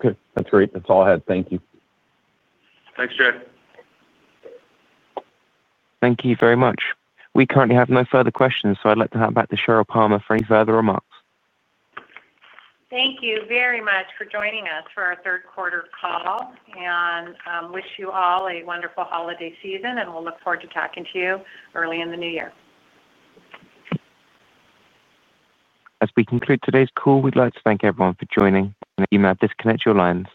Okay, that's great. That's all I had. Thank you. Thanks, Jay. Thank you very much. We currently have no further questions, so I'd like to hand back to Sheryl Palmer for any further remarks. Thank you very much for joining us for our third quarter call, and wish you all a wonderful holiday season. We'll look forward to talking to you early in the new year. As we conclude today's call, we'd like to thank everyone for joining. Now, disconnect your lines.